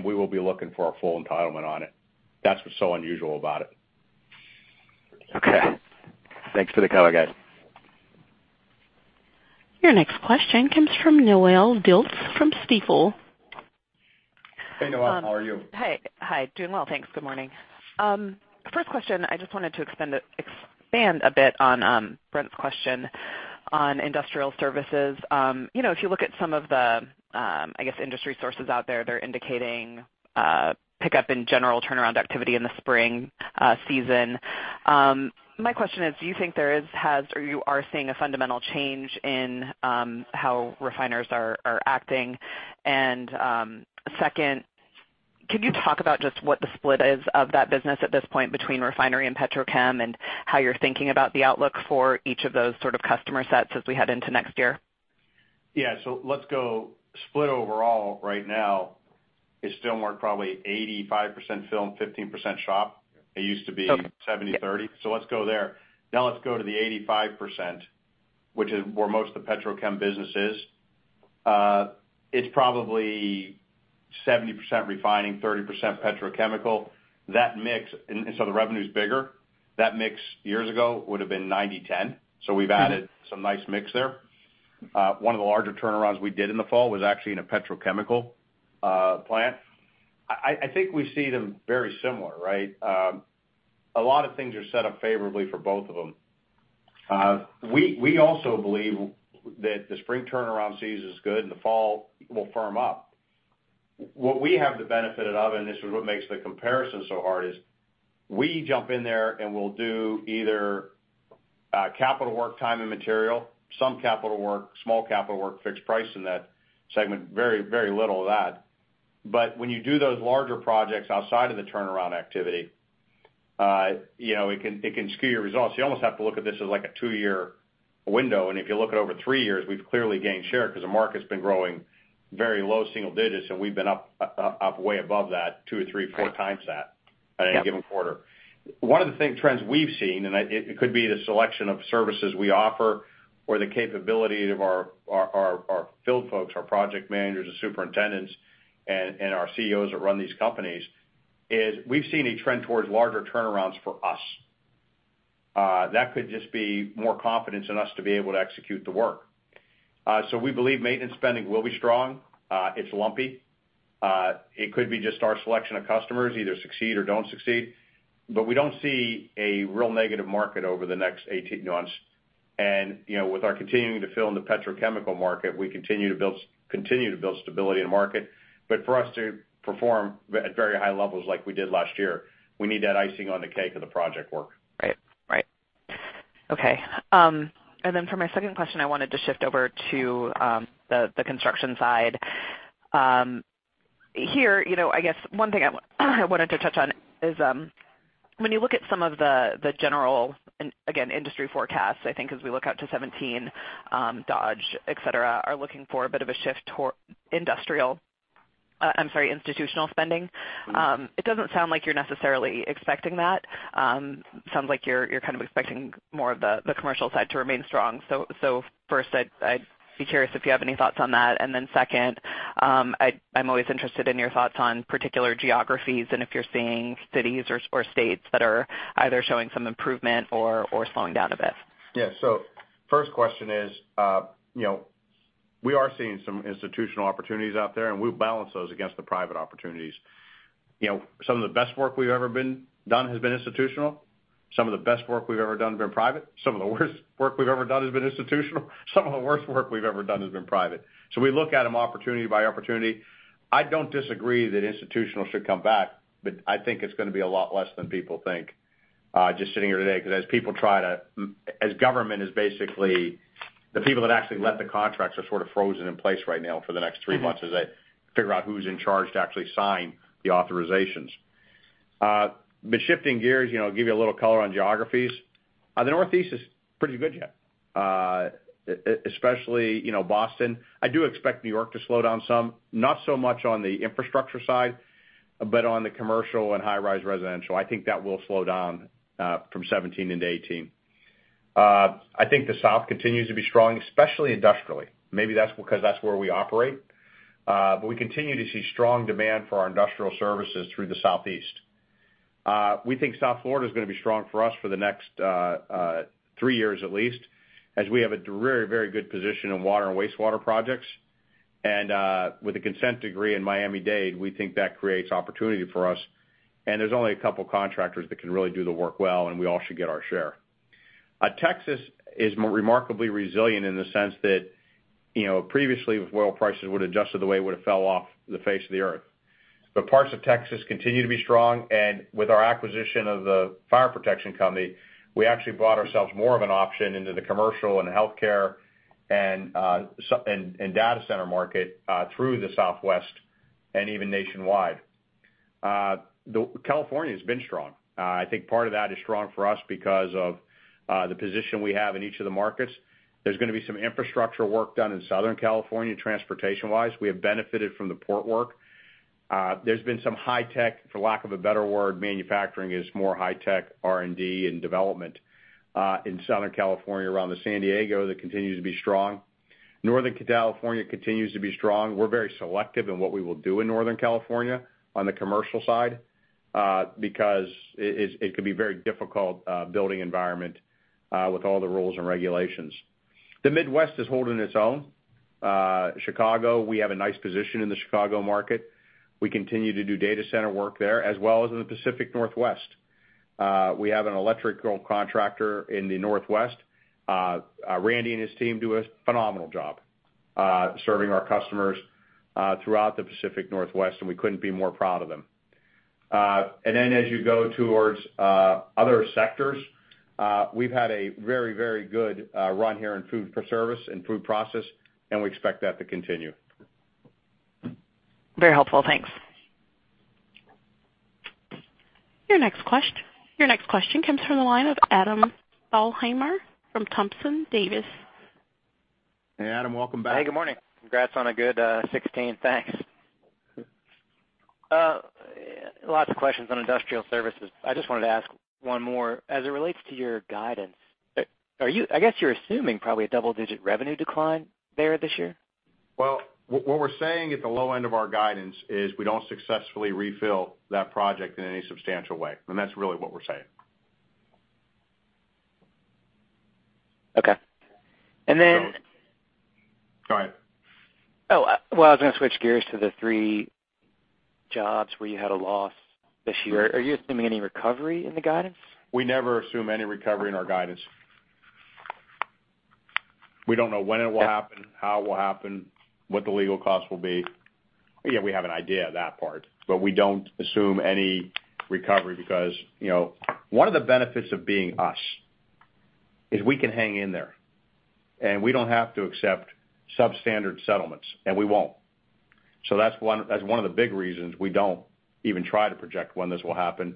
We will be looking for a full entitlement on it. That's what's so unusual about it. Okay. Thanks for the color, guys. Your next question comes from Noelle Dilts from Stifel. Hey, Noelle. How are you? Hey. Doing well, thanks. Good morning. First question, I just wanted to expand a bit on Brent's question on industrial services. If you look at some of the, I guess, industry sources out there, they're indicating a pickup in general turnaround activity in the spring season. My question is, do you think you are seeing a fundamental change in how refiners are acting? Second, could you talk about just what the split is of that business at this point between refinery and petrochem, and how you're thinking about the outlook for each of those sort of customer sets as we head into next year? Yeah. Let's go split overall right now is still more probably 85% film, 15% shop. It used to be 70/30. Let's go there. Now let's go to the 85%, which is where most of the petrochem business is. It's probably 70% refining, 30% petrochemical. The revenue's bigger. That mix years ago would have been 90/10, so we've added some nice mix there. One of the larger turnarounds we did in the fall was actually in a petrochemical plant. I think we see them very similar, right? A lot of things are set up favorably for both of them. We also believe that the spring turnaround season is good, and the fall will firm up. What we have the benefit of, this is what makes the comparison so hard, is we jump in there, we'll do either capital work, time and material, some capital work, small capital work, fixed price in that segment, very little of that. When you do those larger projects outside of the turnaround activity, it can skew your results. You almost have to look at this as like a two-year window, and if you look at over three years, we've clearly gained share because the market's been growing very low single digits, and we've been up way above that, two or three, four times that on any given quarter. One of the trends we've seen, it could be the selection of services we offer or the capability of our field folks, our project managers, the superintendents, and our CEOs that run these companies, is we've seen a trend towards larger turnarounds for us. That could just be more confidence in us to be able to execute the work. We believe maintenance spending will be strong. It's lumpy. It could be just our selection of customers either succeed or don't succeed, we don't see a real negative market over the next 18 months. With our continuing to fill in the petrochemical market, we continue to build stability in the market. For us to perform at very high levels like we did last year, we need that icing on the cake of the project work. Right. Okay. For my second question, I wanted to shift over to the construction side. Here, I guess one thing I wanted to touch on is when you look at some of the general, again, industry forecasts, I think as we look out to 2017, Dodge, et cetera, are looking for a bit of a shift toward institutional spending. It doesn't sound like you're necessarily expecting that. It sounds like you're kind of expecting more of the commercial side to remain strong. First, I'd be curious if you have any thoughts on that. Second, I'm always interested in your thoughts on particular geographies and if you're seeing cities or states that are either showing some improvement or slowing down a bit. First question is, we are seeing some institutional opportunities out there, and we've balanced those against the private opportunities. Some of the best work we've ever done has been institutional. Some of the best work we've ever done has been private. Some of the worst work we've ever done has been institutional. Some of the worst work we've ever done has been private. We look at them opportunity by opportunity. I don't disagree that institutional should come back, but I think it's going to be a lot less than people think just sitting here today, because as government is the people that actually let the contracts are sort of frozen in place right now for the next three months as they figure out who's in charge to actually sign the authorizations. Shifting gears, I'll give you a little color on geographies. The Northeast is pretty good. Especially Boston. I do expect New York to slow down some, not so much on the infrastructure side, but on the commercial and high-rise residential. I think that will slow down from 2017 into 2018. The South continues to be strong, especially industrially. Maybe that's because that's where we operate. We continue to see strong demand for our industrial services through the Southeast. We think South Florida is going to be strong for us for the next three years at least, as we have a very good position in water and wastewater projects. With the consent decree in Miami-Dade, we think that creates opportunity for us, and there's only a couple contractors that can really do the work well, and we all should get our share. Texas is remarkably resilient in the sense that previously, if oil prices would adjust to the way it would've fell off the face of the earth. Parts of Texas continue to be strong, and with our acquisition of the fire protection company, we actually bought ourselves more of an option into the commercial and healthcare and data center market through the Southwest and even nationwide. California's been strong. I think part of that is strong for us because of the position we have in each of the markets. There's going to be some infrastructure work done in Southern California, transportation wise. We have benefited from the port work. There's been some high tech, for lack of a better word, manufacturing is more high tech R&D and development in Southern California around San Diego that continues to be strong. Northern California continues to be strong. We're very selective in what we will do in Northern California on the commercial side. It can be very difficult building environment with all the rules and regulations. The Midwest is holding its own. Chicago, we have a nice position in the Chicago market. We continue to do data center work there as well as in the Pacific Northwest. We have an electrical contractor in the Northwest. Randy and his team do a phenomenal job serving our customers throughout the Pacific Northwest, and we couldn't be more proud of them. Then as you go towards other sectors, we've had a very good run here in food service and food process, and we expect that to continue. Very helpful. Thanks. Your next question comes from the line of Adam Thalhimer from Thompson Davis. Hey, Adam, welcome back. Hey, good morning. Congrats on a good 2016. Thanks. Lots of questions on industrial services. I just wanted to ask one more. As it relates to your guidance, I guess you're assuming probably a double-digit revenue decline there this year? Well, what we're saying at the low end of our guidance is we don't successfully refill that project in any substantial way. That's really what we're saying. Okay. Go ahead. Oh, well, I was going to switch gears to the three jobs where you had a loss this year. Are you assuming any recovery in the guidance? We never assume any recovery in our guidance. We don't know when it will happen, how it will happen, what the legal costs will be. Yeah, we have an idea of that part, but we don't assume any recovery because one of the benefits of being us is we can hang in there, and we don't have to accept substandard settlements, and we won't. That's one of the big reasons we don't even try to project when this will happen.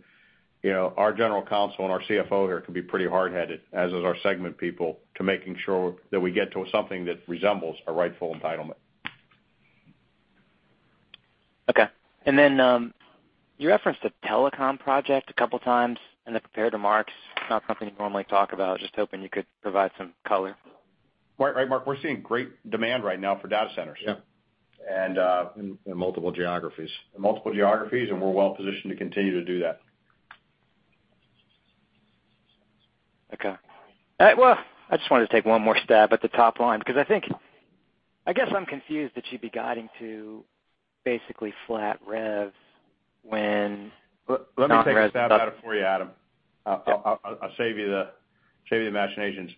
Our General Counsel and our CFO here can be pretty hard-headed, as is our segment people, to making sure that we get to something that resembles a rightful entitlement. Okay. You referenced a telecom project a couple times in the prepared remarks. Not something you normally talk about. Just hoping you could provide some color. Right, Mark. We're seeing great demand right now for data centers. Yeah. In multiple geographies. In multiple geographies, we're well-positioned to continue to do that. Okay. Well, I just wanted to take one more stab at the top line because I guess I'm confused that you'd be guiding to basically flat revs. Let me take a stab at it for you, Adam Thalhimer. I'll save you the imaginations.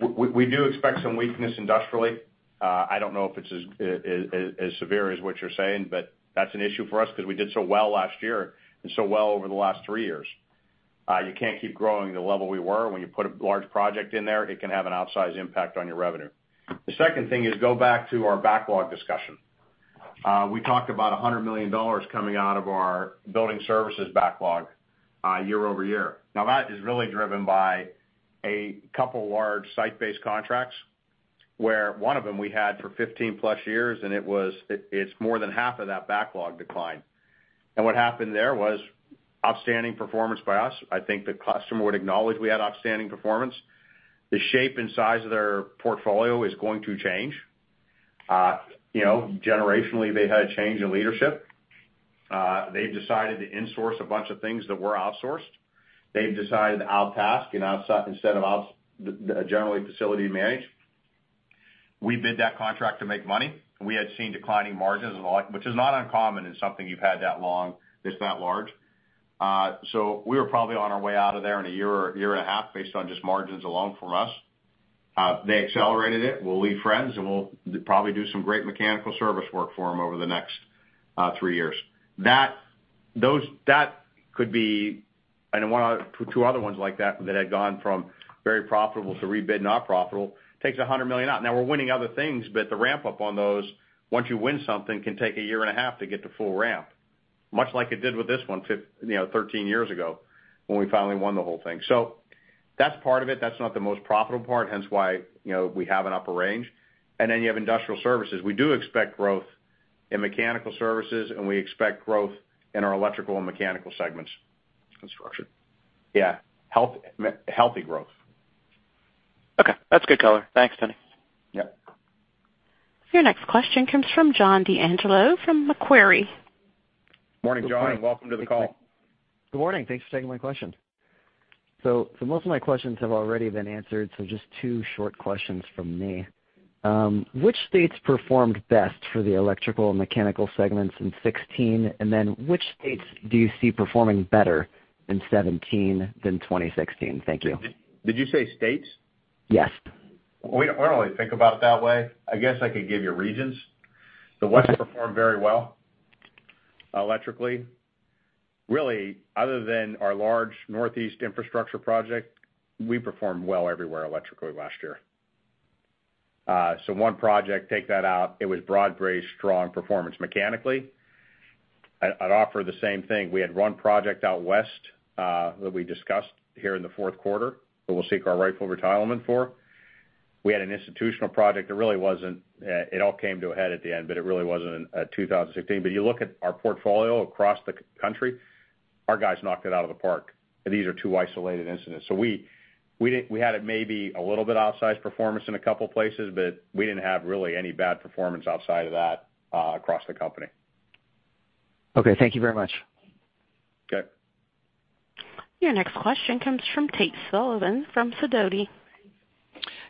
We do expect some weakness industrially. I don't know if it's as severe as what you're saying, but that's an issue for us because we did so well last year and so well over the last three years. You can't keep growing the level we were. When you put a large project in there, it can have an outsized impact on your revenue. The second thing is go back to our backlog discussion. We talked about $100 million coming out of our building services backlog year-over-year. That is really driven by a couple large site-based contracts, where one of them we had for 15+ years, and it's more than half of that backlog decline. What happened there was outstanding performance by us. I think the customer would acknowledge we had outstanding performance. The shape and size of their portfolio is going to change. Generationally, they had a change in leadership. They've decided to insource a bunch of things that were outsourced. They've decided outtask instead of generally facility manage. We bid that contract to make money. We had seen declining margins and the like, which is not uncommon in something you've had that long that's that large. We were probably on our way out of there in a year or year and a half based on just margins alone from us. They accelerated it. We'll leave friends, we'll probably do some great mechanical service work for them over the next three years. That could be, and two other ones like that had gone from very profitable to rebid, not profitable, takes $100 million out. We're winning other things, but the ramp-up on those, once you win something, can take a year and a half to get to full ramp, much like it did with this one 13 years ago when we finally won the whole thing. That's part of it. That's not the most profitable part, hence why we have an upper range. Then you have industrial services. We do expect growth in mechanical services, we expect growth in our electrical and mechanical segments. Structured. Yeah. Healthy growth. Okay. That's good color. Thanks, Tony. Yep. Your next question comes from John D'Angelo from Macquarie. Morning, John. Welcome to the call. Good morning. Good morning. Thanks for taking my question. Most of my questions have already been answered, just two short questions from me. Which states performed best for the electrical and mechanical segments in 2016? Which states do you see performing better in 2017 than 2016? Thank you. Did you say states? Yes. We don't really think about it that way. I guess I could give you regions. The West performed very well electrically. Really, other than our large Northeast infrastructure project, we performed well everywhere electrically last year. One project, take that out, it was broad-based, strong performance mechanically. I'd offer the same thing. We had one project out West, that we discussed here in the fourth quarter, that we'll seek our rightful entitlement for. We had an institutional project. It all came to a head at the end, but it really wasn't in 2016. You look at our portfolio across the country, our guys knocked it out of the park, and these are two isolated incidents. We had maybe a little bit outsized performance in a couple places, but we didn't have really any bad performance outside of that across the company. Okay. Thank you very much. Okay. Your next question comes from Tate Sullivan from Sidoti.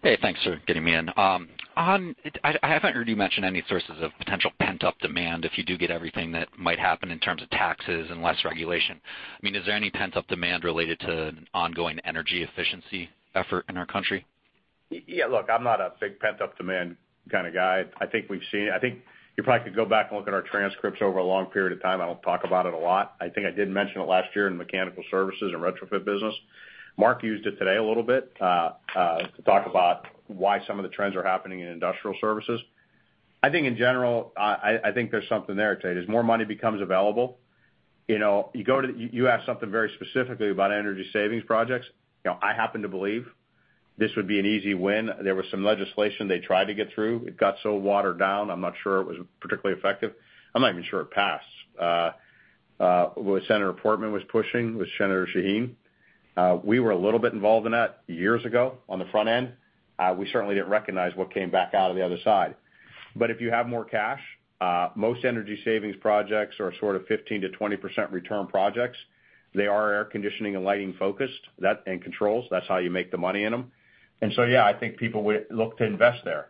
Hey, thanks for getting me in. I haven't heard you mention any sources of potential pent-up demand if you do get everything that might happen in terms of taxes and less regulation. Is there any pent-up demand related to ongoing energy efficiency effort in our country? Yeah, look, I'm not a big pent-up demand kind of guy. I think you probably could go back and look at our transcripts over a long period of time. I don't talk about it a lot. I think I did mention it last year in mechanical services and retrofit business. Mark used it today a little bit, to talk about why some of the trends are happening in industrial services. I think in general, I think there's something there, Tate. As more money becomes available, you ask something very specifically about energy savings projects. I happen to believe this would be an easy win. There was some legislation they tried to get through. It got so watered down, I'm not sure it was particularly effective. I'm not even sure it passed. What Senator Portman was pushing with Senator Shaheen. We were a little bit involved in that years ago on the front end. We certainly didn't recognize what came back out of the other side. If you have more cash, most energy savings projects are sort of 15%-20% return projects. They are air conditioning and lighting focused, that and controls. That's how you make the money in them. Yeah, I think people would look to invest there.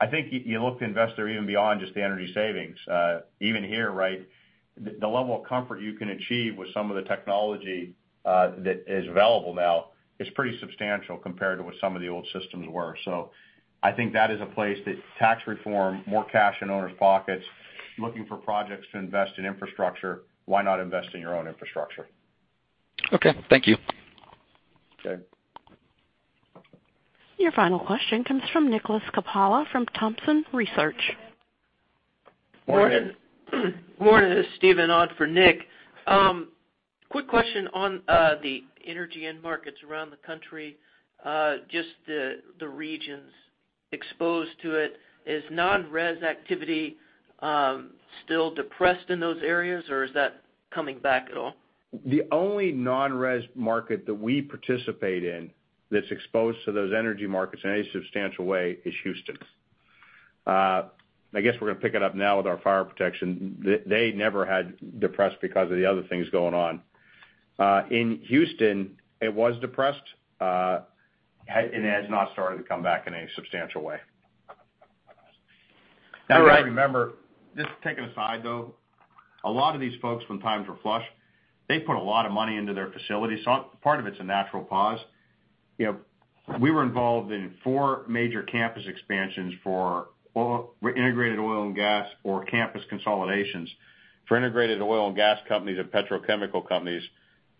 I think you look to invest there even beyond just the energy savings. Even here, the level of comfort you can achieve with some of the technology that is available now is pretty substantial compared to what some of the old systems were. I think that is a place that tax reform, more cash in owners' pockets, looking for projects to invest in infrastructure, why not invest in your own infrastructure? Okay. Thank you. Okay. Your final question comes from Nick Coppola from Thompson Research. Go ahead. Morning, Steve. On for Nick. Quick question on the energy end markets around the country, just the regions exposed to it. Is non-res activity still depressed in those areas, or is that coming back at all? The only non-res market that we participate in that's exposed to those energy markets in any substantial way is Houston. I guess we're going to pick it up now with our fire protection. They never had depressed because of the other things going on. In Houston, it was depressed, and it has not started to come back in a substantial way. All right. You got to remember, just taking a side, though, a lot of these folks, when times were flush, they put a lot of money into their facilities. Part of it's a natural pause. We were involved in four major campus expansions for integrated oil and gas or campus consolidations for integrated oil and gas companies and petrochemical companies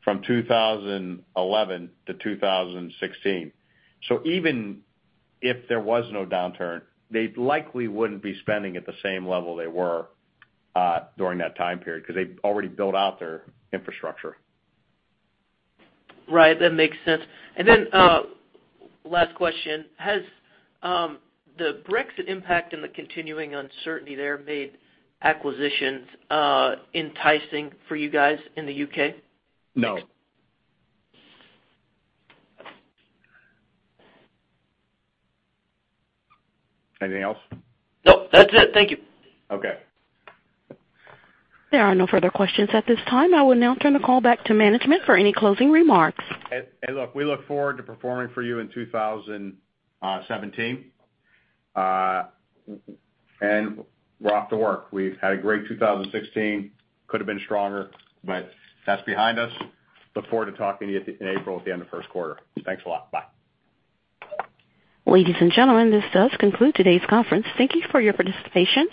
from 2011 to 2016. Even if there was no downturn, they likely wouldn't be spending at the same level they were during that time period because they've already built out their infrastructure. Right. That makes sense. Then, last question. Has the Brexit impact and the continuing uncertainty there made acquisitions enticing for you guys in the U.K.? No. Anything else? Nope. That's it. Thank you. Okay. There are no further questions at this time. I will now turn the call back to management for any closing remarks. Hey, look, we look forward to performing for you in 2017. We're off to work. We've had a great 2016. Could've been stronger, but that's behind us. Look forward to talking to you in April at the end of first quarter. Thanks a lot. Bye. Ladies and gentlemen, this does conclude today's conference. Thank you for your participation.